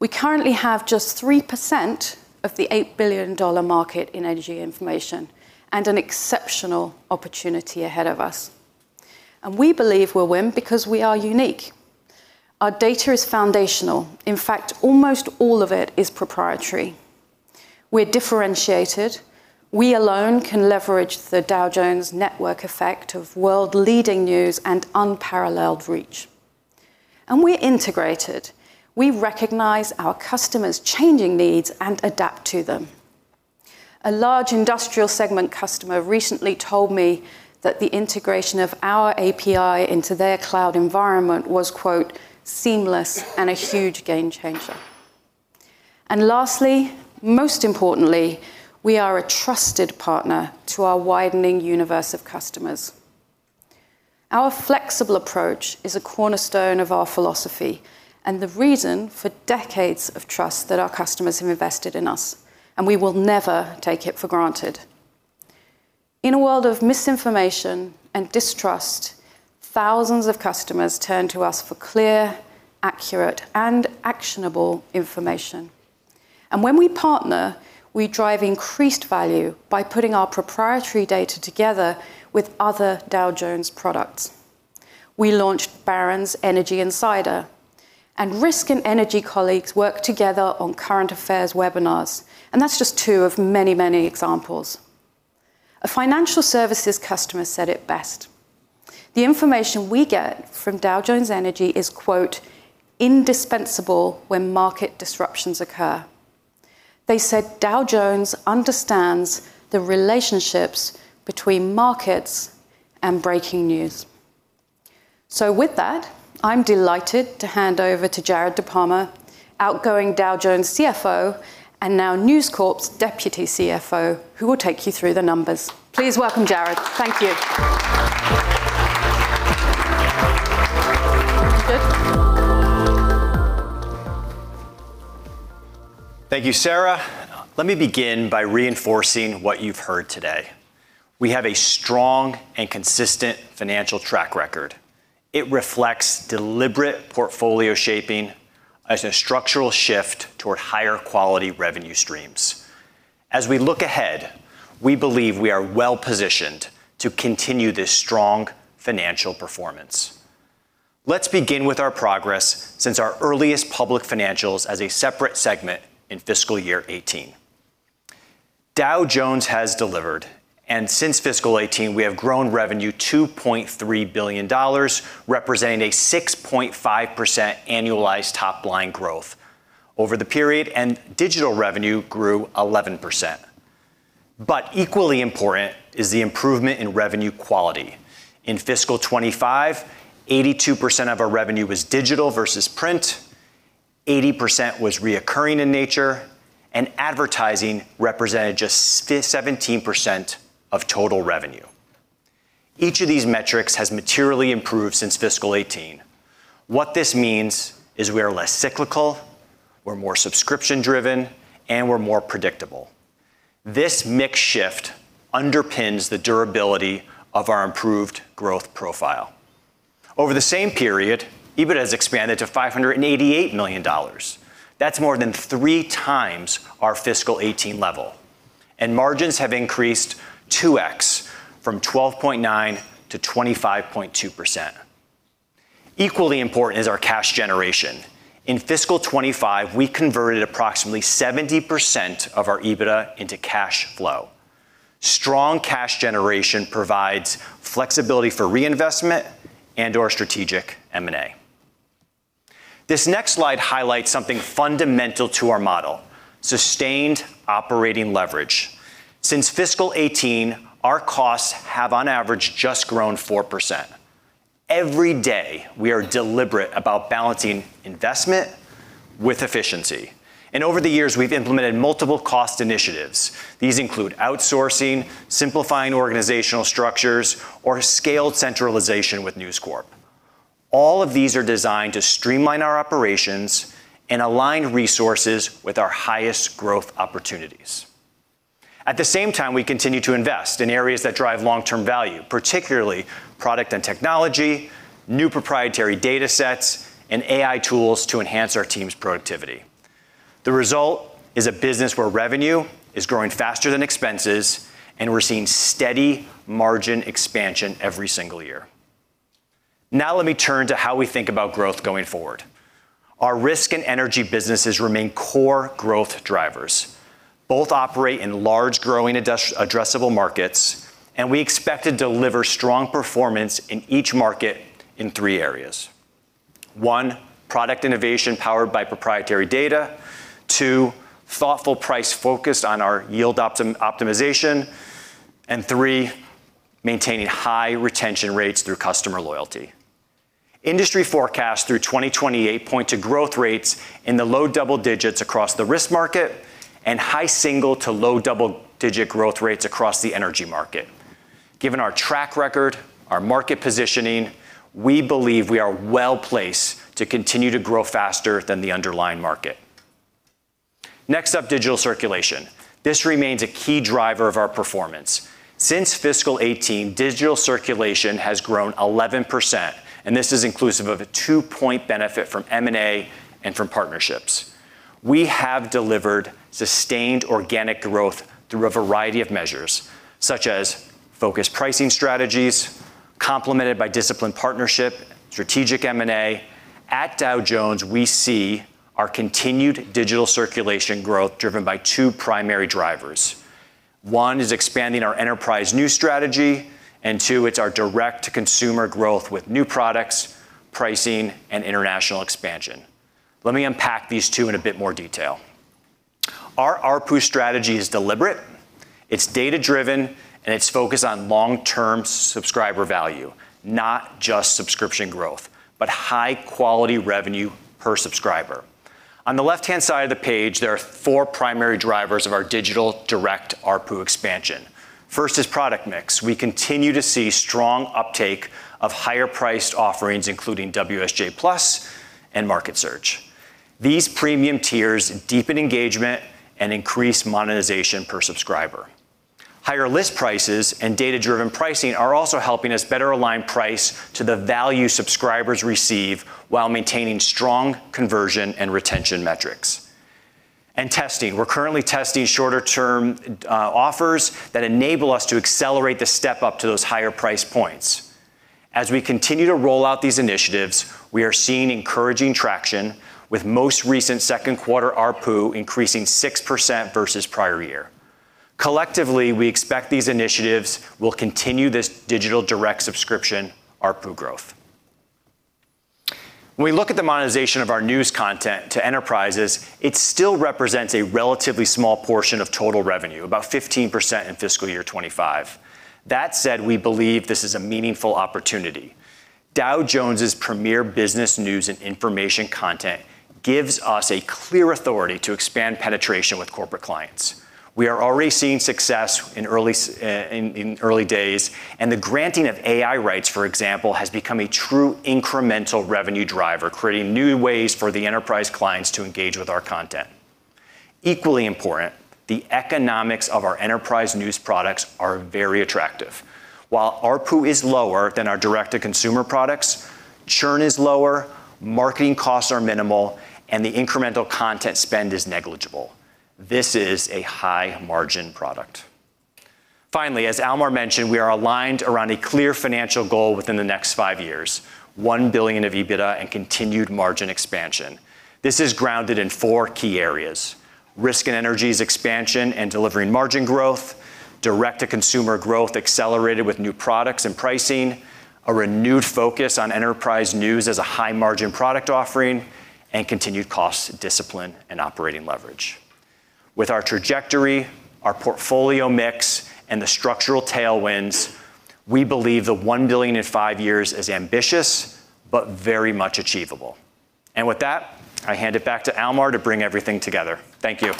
We currently have just 3% of the $8 billion market in energy information and an exceptional opportunity ahead of us. We believe we'll win because we are unique. Our data is foundational. In fact, almost all of it is proprietary. We're differentiated. We alone can leverage the Dow Jones network effect of world-leading news and unparalleled reach. We're integrated. We recognize our customers' changing needs and adapt to them. A large industrial segment customer recently told me that the integration of our API into their cloud environment was, quote, "seamless and a huge game changer." Lastly, most importantly, we are a trusted partner to our widening universe of customers. Our flexible approach is a cornerstone of our philosophy and the reason for decades of trust that our customers have invested in us, and we will never take it for granted. In a world of misinformation and distrust, thousands of customers turn to us for clear, accurate, and actionable information. When we partner, we drive increased value by putting our proprietary data together with other Dow Jones products. We launched Barron's Energy Insider, and risk and energy colleagues work together on current affairs webinars. That's just two of many, many examples. A financial services customer said it best. The information we get from Dow Jones Energy is, quote, "indispensable when market disruptions occur." They said Dow Jones understands the relationships between markets and breaking news. With that, I'm delighted to hand over to Jared DiPalma, outgoing Dow Jones CFO and now News Corp's Deputy CFO, who will take you through the numbers. Please welcome Jared. Thank you. Good. Thank you, Sarah. Let me begin by reinforcing what you've heard today. We have a strong and consistent financial track record. It reflects deliberate portfolio shaping as a structural shift toward higher quality revenue streams. As we look ahead, we believe we are well-positioned to continue this strong financial performance. Let's begin with our progress since our earliest public financials as a separate segment in fiscal year 2018. Dow Jones has delivered, and since fiscal 2018, we have grown revenue $2.3 billion, representing a 6.5% annualized top-line growth over the period, and digital revenue grew 11%. Equally important is the improvement in revenue quality. In fiscal 2025, 82% of our revenue was digital versus print, 80% was recurring in nature, and advertising represented just 17% of total revenue. Each of these metrics has materially improved since fiscal 2018. What this means is we are less cyclical, we're more subscription-driven, and we're more predictable. This mix shift underpins the durability of our improved growth profile. Over the same period, EBIT has expanded to $588 million. That's more than 3x our fiscal 2018 level. Margins have increased 2x from 12.9%-25.2%. Equally important is our cash generation. In fiscal 2025, we converted approximately 70% of our EBITDA into cash flow. Strong cash generation provides flexibility for reinvestment and/or strategic M&A. This next slide highlights something fundamental to our model, sustained operating leverage. Since fiscal 2018, our costs have, on average, just grown 4%. Every day, we are deliberate about balancing investment with efficiency. Over the years, we've implemented multiple cost initiatives. These include outsourcing, simplifying organizational structures, or scaled centralization with News Corp. All of these are designed to streamline our operations and align resources with our highest growth opportunities. At the same time, we continue to invest in areas that drive long-term value, particularly product and technology, new proprietary datasets, and AI tools to enhance our team's productivity. The result is a business where revenue is growing faster than expenses, and we're seeing steady margin expansion every single year. Now let me turn to how we think about growth going forward. Our risk and energy businesses remain core growth drivers. Both operate in large, growing addressable markets, and we expect to deliver strong performance in each market in three areas. One, product innovation powered by proprietary data. Two, thoughtful price focus on our yield optimization. And three, maintaining high retention rates through customer loyalty. Industry forecasts through 2028 point to growth rates in the low double digits across the risk market and high single- to low double-digit growth rates across the energy market. Given our track record, our market positioning, we believe we are well-placed to continue to grow faster than the underlying market. Next up, digital circulation. This remains a key driver of our performance. Since fiscal 2018, digital circulation has grown 11%, and this is inclusive of a two point benefit from M&A and from partnerships. We have delivered sustained organic growth through a variety of measures, such as focused pricing strategies complemented by disciplined partnership, strategic M&A. At Dow Jones, we see our continued digital circulation growth driven by two primary drivers. One is expanding our enterprise news strategy, and two, it's our direct-to-consumer growth with new products, pricing, and international expansion. Let me unpack these two in a bit more detail. Our ARPU strategy is deliberate, it's data-driven, and it's focused on long-term subscriber value, not just subscription growth, but high-quality revenue per subscriber. On the left-hand side of the page, there are four primary drivers of our digital direct ARPU expansion. First is product mix. We continue to see strong uptake of higher-priced offerings, including WSJ Plus and MarketWatch. These premium tiers deepen engagement and increase monetization per subscriber. Higher list prices and data-driven pricing are also helping us better align price to the value subscribers receive while maintaining strong conversion and retention metrics. Testing. We're currently testing shorter-term offers that enable us to accelerate the step-up to those higher price points. As we continue to roll out these initiatives, we are seeing encouraging traction with most recent second quarter ARPU increasing 6% versus prior year. Collectively, we expect these initiatives will continue this digital direct subscription ARPU growth. When we look at the monetization of our news content to enterprises, it still represents a relatively small portion of total revenue, about 15% in fiscal year 2025. That said, we believe this is a meaningful opportunity. Dow Jones's premier business news and information content gives us a clear authority to expand penetration with corporate clients. We are already seeing success in early days, and the granting of AI rights, for example, has become a true incremental revenue driver, creating new ways for the enterprise clients to engage with our content. Equally important, the economics of our enterprise news products are very attractive. While ARPU is lower than our direct-to-consumer products, churn is lower, marketing costs are minimal, and the incremental content spend is negligible. This is a high-margin product. Finally, as Almar mentioned, we are aligned around a clear financial goal within the next five years. $1 billion of EBITDA and continued margin expansion. This is grounded in four key areas. Risk and energies expansion and delivering margin growth, direct-to-consumer growth accelerated with new products and pricing, a renewed focus on enterprise news as a high-margin product offering, and continued cost discipline and operating leverage. With our trajectory, our portfolio mix, and the structural tailwinds, we believe the $1 billion in five years is ambitious but very much achievable. With that, I hand it back to Almar to bring everything together. Thank you.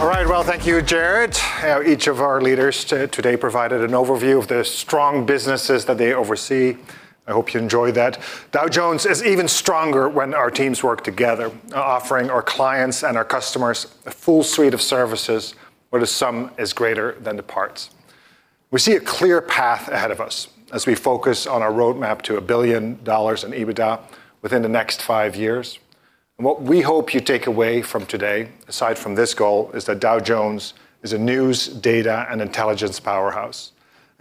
All right. Well, thank you, Jared. Each of our leaders today provided an overview of the strong businesses that they oversee. I hope you enjoyed that. Dow Jones is even stronger when our teams work together, offering our clients and our customers a full suite of services where the sum is greater than the parts. We see a clear path ahead of us as we focus on our roadmap to $1 billion in EBITDA within the next five years. What we hope you take away from today, aside from this goal, is that Dow Jones is a news, data, and intelligence powerhouse,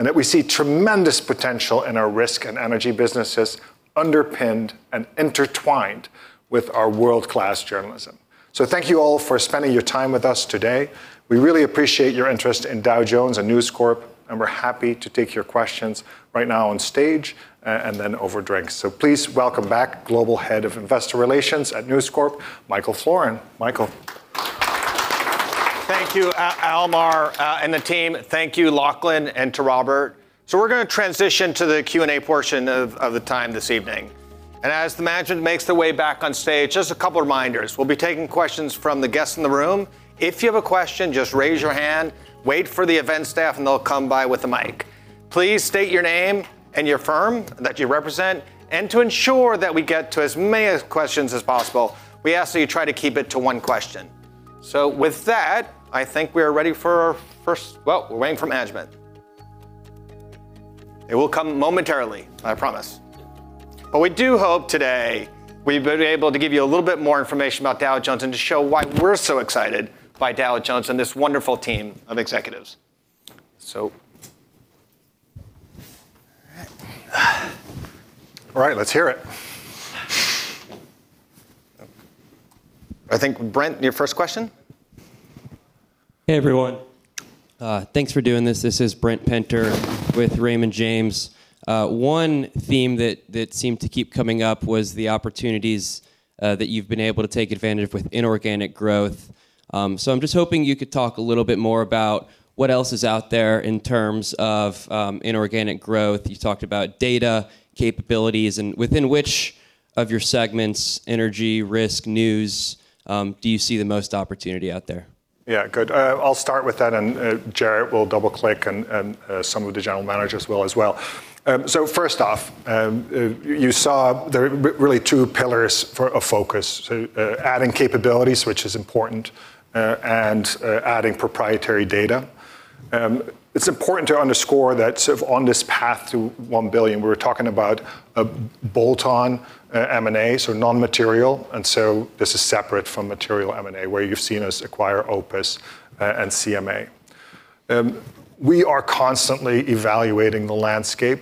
and that we see tremendous potential in our risk and energy businesses underpinned and intertwined with our world-class journalism. Thank you all for spending your time with us today. We really appreciate your interest in Dow Jones and News Corp, and we're happy to take your questions right now on stage, and then over drinks. Please welcome back Global Head of Investor Relations at News Corp, Michael Florin. Michael. Thank you, Almar, and the team. Thank you, Lachlan, and to Robert. We're gonna transition to the Q&A portion of the time this evening. As the management makes their way back on stage, just a couple reminders. We'll be taking questions from the guests in the room. If you have a question, just raise your hand, wait for the event staff, and they'll come by with a mic. Please state your name and your firm that you represent. To ensure that we get to as many questions as possible, we ask that you try to keep it to one question. With that, I think we are ready for our first. Well, we're waiting for management. They will come momentarily, I promise. We do hope today we've been able to give you a little bit more information about Dow Jones and to show why we're so excited by Dow Jones and this wonderful team of executives. All right. All right, let's hear it. I think, Brent, your first question. Hey, everyone. Thanks for doing this. This is Brent Penter with Raymond James. One theme that seemed to keep coming up was the opportunities that you've been able to take advantage of with inorganic growth. So I'm just hoping you could talk a little bit more about what else is out there in terms of inorganic growth. You talked about data capabilities and within which of your segments, energy, risk, news, do you see the most opportunity out there? Yeah, good. I'll start with that, and Jared Ficklin will double-click and some of the general managers will as well. First off, you saw there are really two pillars for a focus. Adding capabilities, which is important, and adding proprietary data. It's important to underscore that sort of on this path to $1 billion, we're talking about a bolt-on M&A, so non-material, and this is separate from material M&A, where you've seen us acquire OPIS and CMA. We are constantly evaluating the landscape.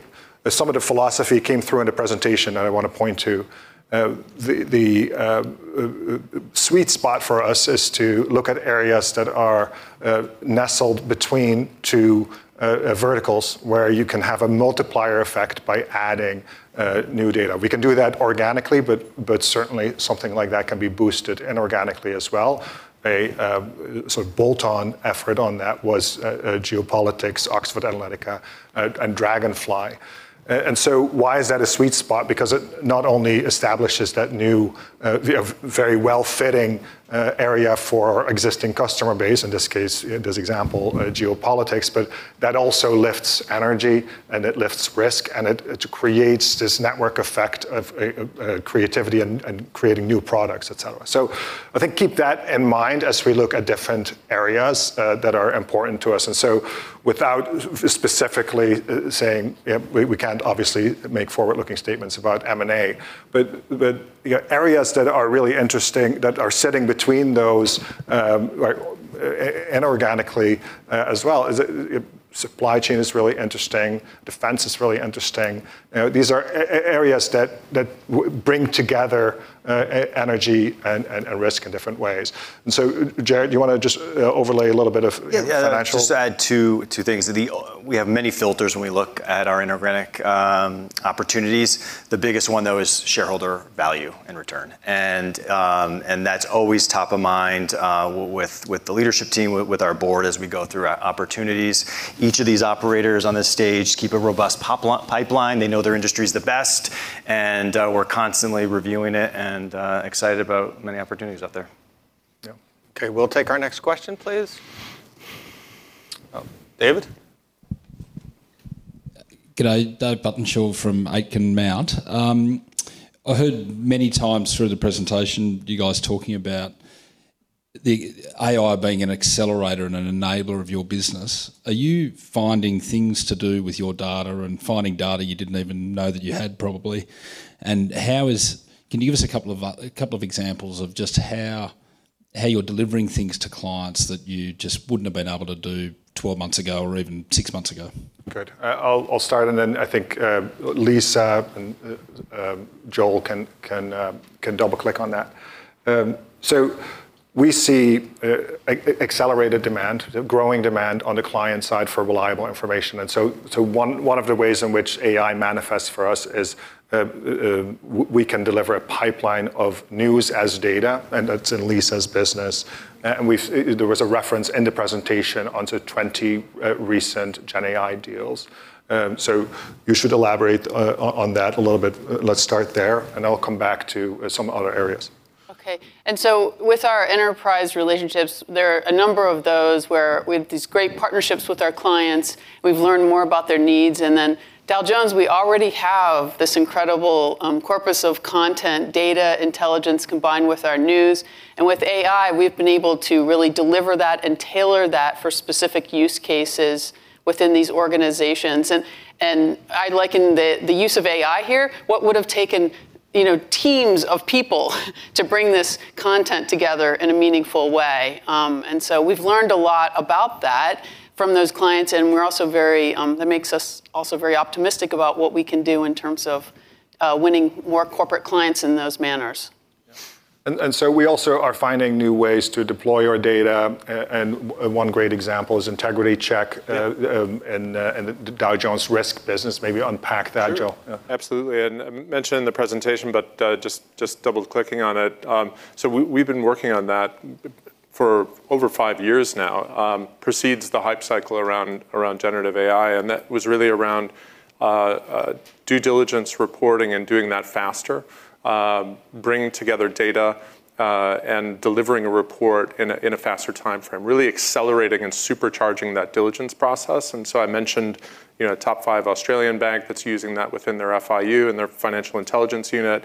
Some of the philosophy came through in the presentation, and I want to point to the sweet spot for us is to look at areas that are nestled between two verticals where you can have a multiplier effect by adding new data. We can do that organically, but certainly something like that can be boosted inorganically as well. Sort of bolt-on effort on that was geopolitics, Oxford Analytica, and Dragonfly. Why is that a sweet spot? Because it not only establishes that new, you know, very well-fitting area for our existing customer base, in this case, in this example, geopolitics, but that also lifts energy and it lifts risk and it creates this network effect of creativity and creating new products, etc. I think keep that in mind as we look at different areas that are important to us. without specifically saying we can't obviously make forward-looking statements about M&A, but you know, areas that are really interesting that are sitting between those, like inorganically as well is, supply chain is really interesting, defense is really interesting. You know, these are areas that bring together energy and risk in different ways. Jared, do you wanna just overlay a little bit of financial- Yeah. Just add two things. We have many filters when we look at our inorganic opportunities. The biggest one, though, is shareholder value and return. That's always top of mind with the leadership team, with our board as we go through our opportunities. Each of these operators on this stage keep a robust pipeline. They know their industries the best, and we're constantly reviewing it and excited about many opportunities out there. Yeah. Okay. We'll take our next question, please. Oh, David? G'day. Dave Bucknall from Aitken Murray. I heard many times through the presentation you guys talking about the AI being an accelerator and an enabler of your business. Are you finding things to do with your data and finding data you didn't even know that you had probably? Can you give us a couple of examples of just how you're delivering things to clients that you just wouldn't have been able to do 12 months ago or even 6 months ago? Good. I'll start, and then I think Lisa and Joel can double-click on that. We see an accelerated demand, growing demand on the client side for reliable information. One of the ways in which AI manifests for us is we can deliver a pipeline of news as data, and that's in Lisa's business. There was a reference in the presentation to 20 recent Gen AI deals. You should elaborate on that a little bit. Let's start there, and I'll come back to some other areas. Okay. With our enterprise relationships, there are a number of those where we have these great partnerships with our clients. We've learned more about their needs, and then Dow Jones, we already have this incredible corpus of content, data, intelligence combined with our news. With AI, we've been able to really deliver that and tailor that for specific use cases within these organizations. I liken the use of AI here, what would've taken, you know, teams of people to bring this content together in a meaningful way. We've learned a lot about that from those clients, and we're also very, that makes us also very optimistic about what we can do in terms of, winning more corporate clients in those manners. We also are finding new ways to deploy our data. And one great example is Integrity Check- Yeah the Dow Jones risk business. Maybe unpack that, Joel. Sure. Absolutely. I mentioned in the presentation, but just double-clicking on it. We've been working on that for over five years now. It precedes the hype cycle around generative AI, and that was really around due diligence reporting and doing that faster, bringing together data, and delivering a report in a faster timeframe, really accelerating and supercharging that diligence process. I mentioned a top 5 Australian bank that's using that within their FIU, in their financial intelligence unit,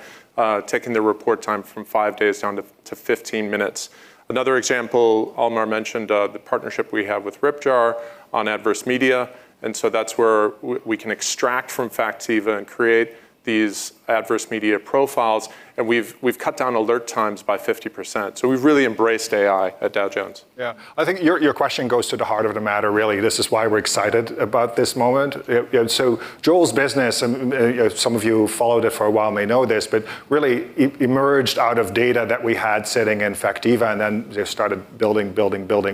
taking the report time from five days down to 15 minutes. Another example, Almar Latour mentioned, the partnership we have with Ripjar on adverse media, and that's where we can extract from Factiva and create these adverse media profiles. We've cut down alert times by 50%. We've really embraced AI at Dow Jones. Yeah. I think your question goes to the heart of the matter, really. This is why we're excited about this moment. You know, Joel's business, and you know, some of you who followed it for a while may know this, but really it emerged out of data that we had sitting in Factiva and then just started building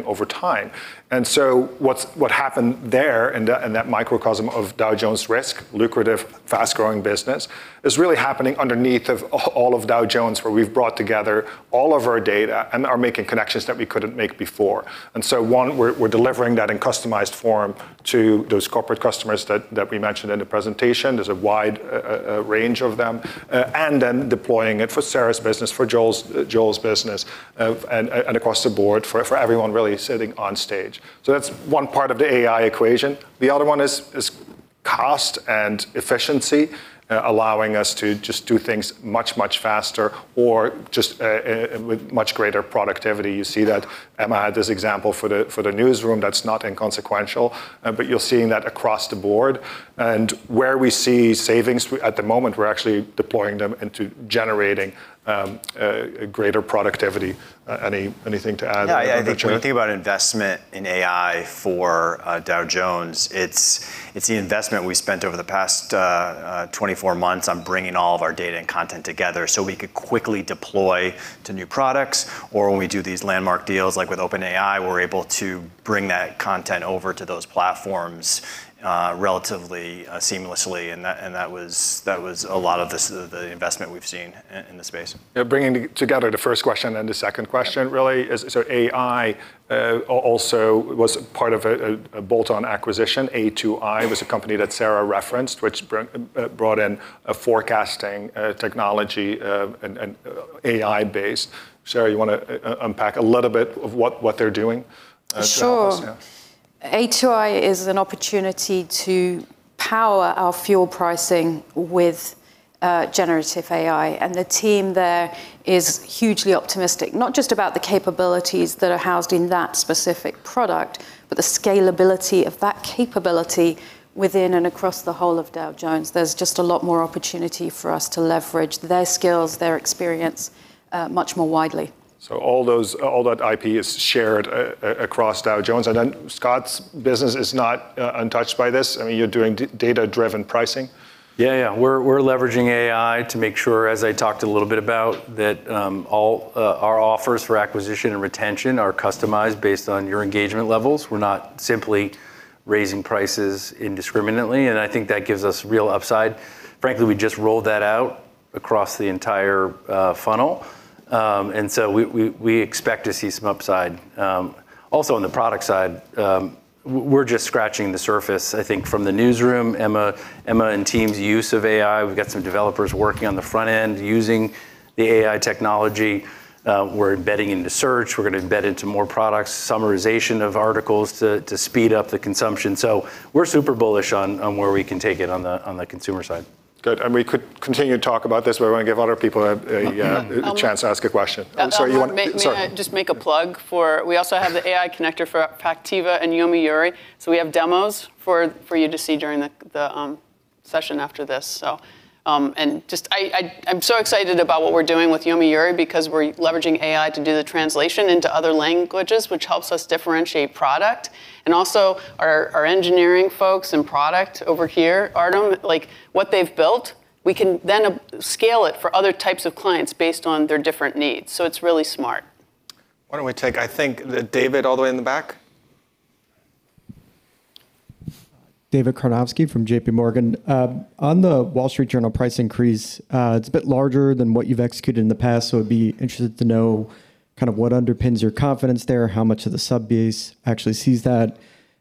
over time. What happened there in that microcosm of Dow Jones Risk, lucrative, fast-growing business, is really happening underneath all of Dow Jones, where we've brought together all of our data and are making connections that we couldn't make before. We're delivering that in customized form to those corporate customers that we mentioned in the presentation. There's a wide range of them. Deploying it for Sarah's business, for Joel's business, and across the board for everyone really sitting on stage. That's one part of the AI equation. The other one is cost and efficiency, allowing us to just do things much faster or with much greater productivity. You see that Emma had this example for the newsroom that's not inconsequential, but you're seeing that across the board. Where we see savings at the moment, we're actually deploying them into generating a greater productivity. Anything to add there? Yeah, I think when you think about investment in AI for Dow Jones, it's the investment we spent over the past 24 months on bringing all of our data and content together so we could quickly deploy to new products, or when we do these landmark deals, like with OpenAI, we're able to bring that content over to those platforms relatively seamlessly. That was a lot of this, the investment we've seen in the space. Yeah, bringing together the first question and the second question really is, so AI also was part of a bolt-on acquisition. A2i was a company that Sarah referenced, which brought in a forecasting technology and AI-based. Sarah, you wanna unpack a little bit of what they're doing? Sure. Yeah. A2i is an opportunity to power our fuel pricing with generative AI. The team there is hugely optimistic, not just about the capabilities that are housed in that specific product, but the scalability of that capability within and across the whole of Dow Jones. There's just a lot more opportunity for us to leverage their skills, their experience, much more widely. All that IP is shared across Dow Jones. Scott's business is not untouched by this. I mean, you're doing data-driven pricing. Yeah, yeah. We're leveraging AI to make sure, as I talked a little bit about, that all our offers for acquisition and retention are customized based on your engagement levels. We're not simply raising prices indiscriminately, and I think that gives us real upside. Frankly, we just rolled that out across the entire funnel. We expect to see some upside. Also on the product side, we're just scratching the surface. I think from the newsroom, Emma and the team's use of AI, we've got some developers working on the front end using the AI technology. We're embedding into search. We're gonna embed into more products, summarization of articles to speed up the consumption. We're super bullish on where we can take it on the consumer side. Good. We could continue to talk about this, but I want to give other people a chance to ask a question. I'm sorry, you want- Almar, may I just make a plug for we also have the AI connector for Factiva and Yomiuri. We have demos for you to see during the session after this. Just I'm so excited about what we're doing with Yomiuri because we're leveraging AI to do the translation into other languages, which helps us differentiate product. Also our engineering folks and product over here, Artem, like what they've built, we can then scale it for other types of clients based on their different needs. It's really smart. Why don't we take, I think, David all the way in the back. David Karnovsky from JPMorgan. On the Wall Street Journal price increase, it's a bit larger than what you've executed in the past, so I'd be interested to know kind of what underpins your confidence there, how much of the sub base actually sees that.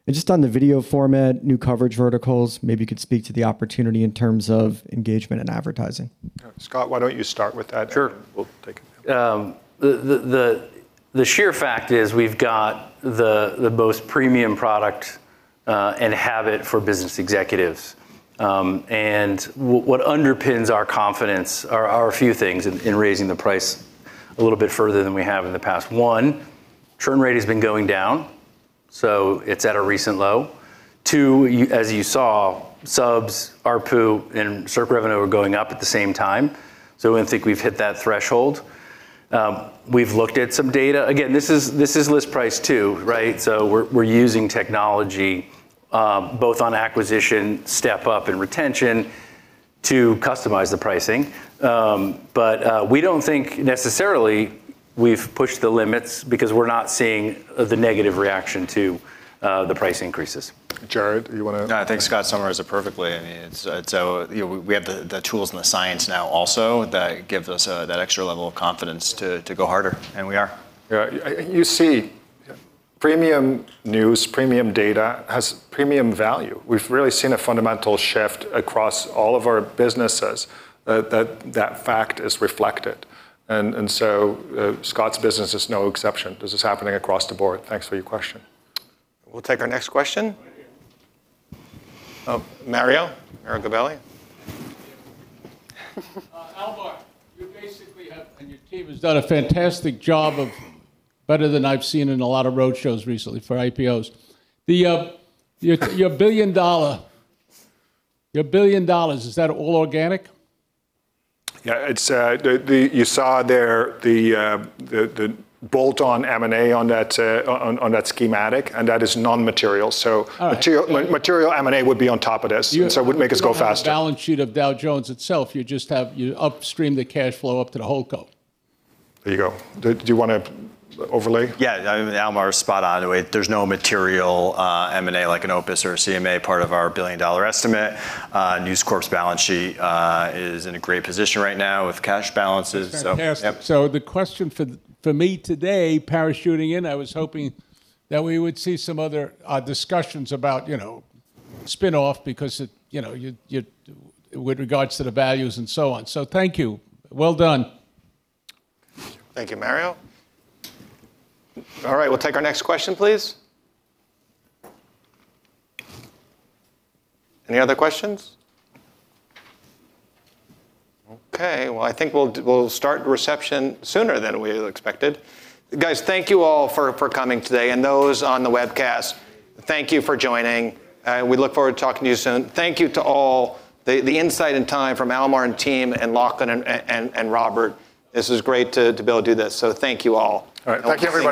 Just on the video format, new coverage verticals, maybe you could speak to the opportunity in terms of engagement and advertising. Scott, why don't you start with that? Sure. We'll take it. The sheer fact is we've got the most premium product and have it for business executives. What underpins our confidence are a few things in raising the price a little bit further than we have in the past. One, churn rate has been going down, so it's at a recent low. Two, you, as you saw, subs, ARPU, and circ revenue are going up at the same time. We think we've hit that threshold. We've looked at some data. Again, this is list price too, right? We're using technology. Both on acquisition, step up and retention to customize the pricing. We don't think necessarily we've pushed the limits because we're not seeing the negative reaction to the price increases. Jared, you wanna- No, I think Scott summarized it perfectly. I mean, it's you know, we have the tools and the science now also that give us that extra level of confidence to go harder, and we are. Yeah. You see, premium news, premium data has premium value. We've really seen a fundamental shift across all of our businesses that fact is reflected. Scott's business is no exception. This is happening across the board. Thanks for your question. We'll take our next question. Right here. Oh, Mario Gabelli. Almar, your team has done a fantastic job, better than I've seen in a lot of road shows recently for IPOs. Your $1 billion, is that all organic? You saw there the bolt on M&A on that schematic, and that is non-material. All right. Material M&A would be on top of this, and so it would make us go faster. You don't have the balance sheet of Dow Jones itself. You upstream the cash flow up to the whole co. There you go. Do you wanna overlay? Yeah. I mean, Almar is spot on. There's no material M&A, like an OPIS or a CMA part of our billion-dollar estimate. News Corp's balance sheet is in a great position right now with cash balances. That's fantastic. Yep. The question for me today, parachuting in, I was hoping that we would see some other discussions about, you know, spin-off because it, you know, with regards to the values and so on. Thank you. Well done. Thank you, Mario. All right, we'll take our next question, please. Any other questions? Okay, well, I think we'll start reception sooner than we had expected. Guys, thank you all for coming today. Those on the webcast, thank you for joining, and we look forward to talking to you soon. Thank you to all. The insight and time from Almar and team and Lachlan and Robert, this was great to be able to do this, so thank you all. All right. Thanks. Thank you everybody.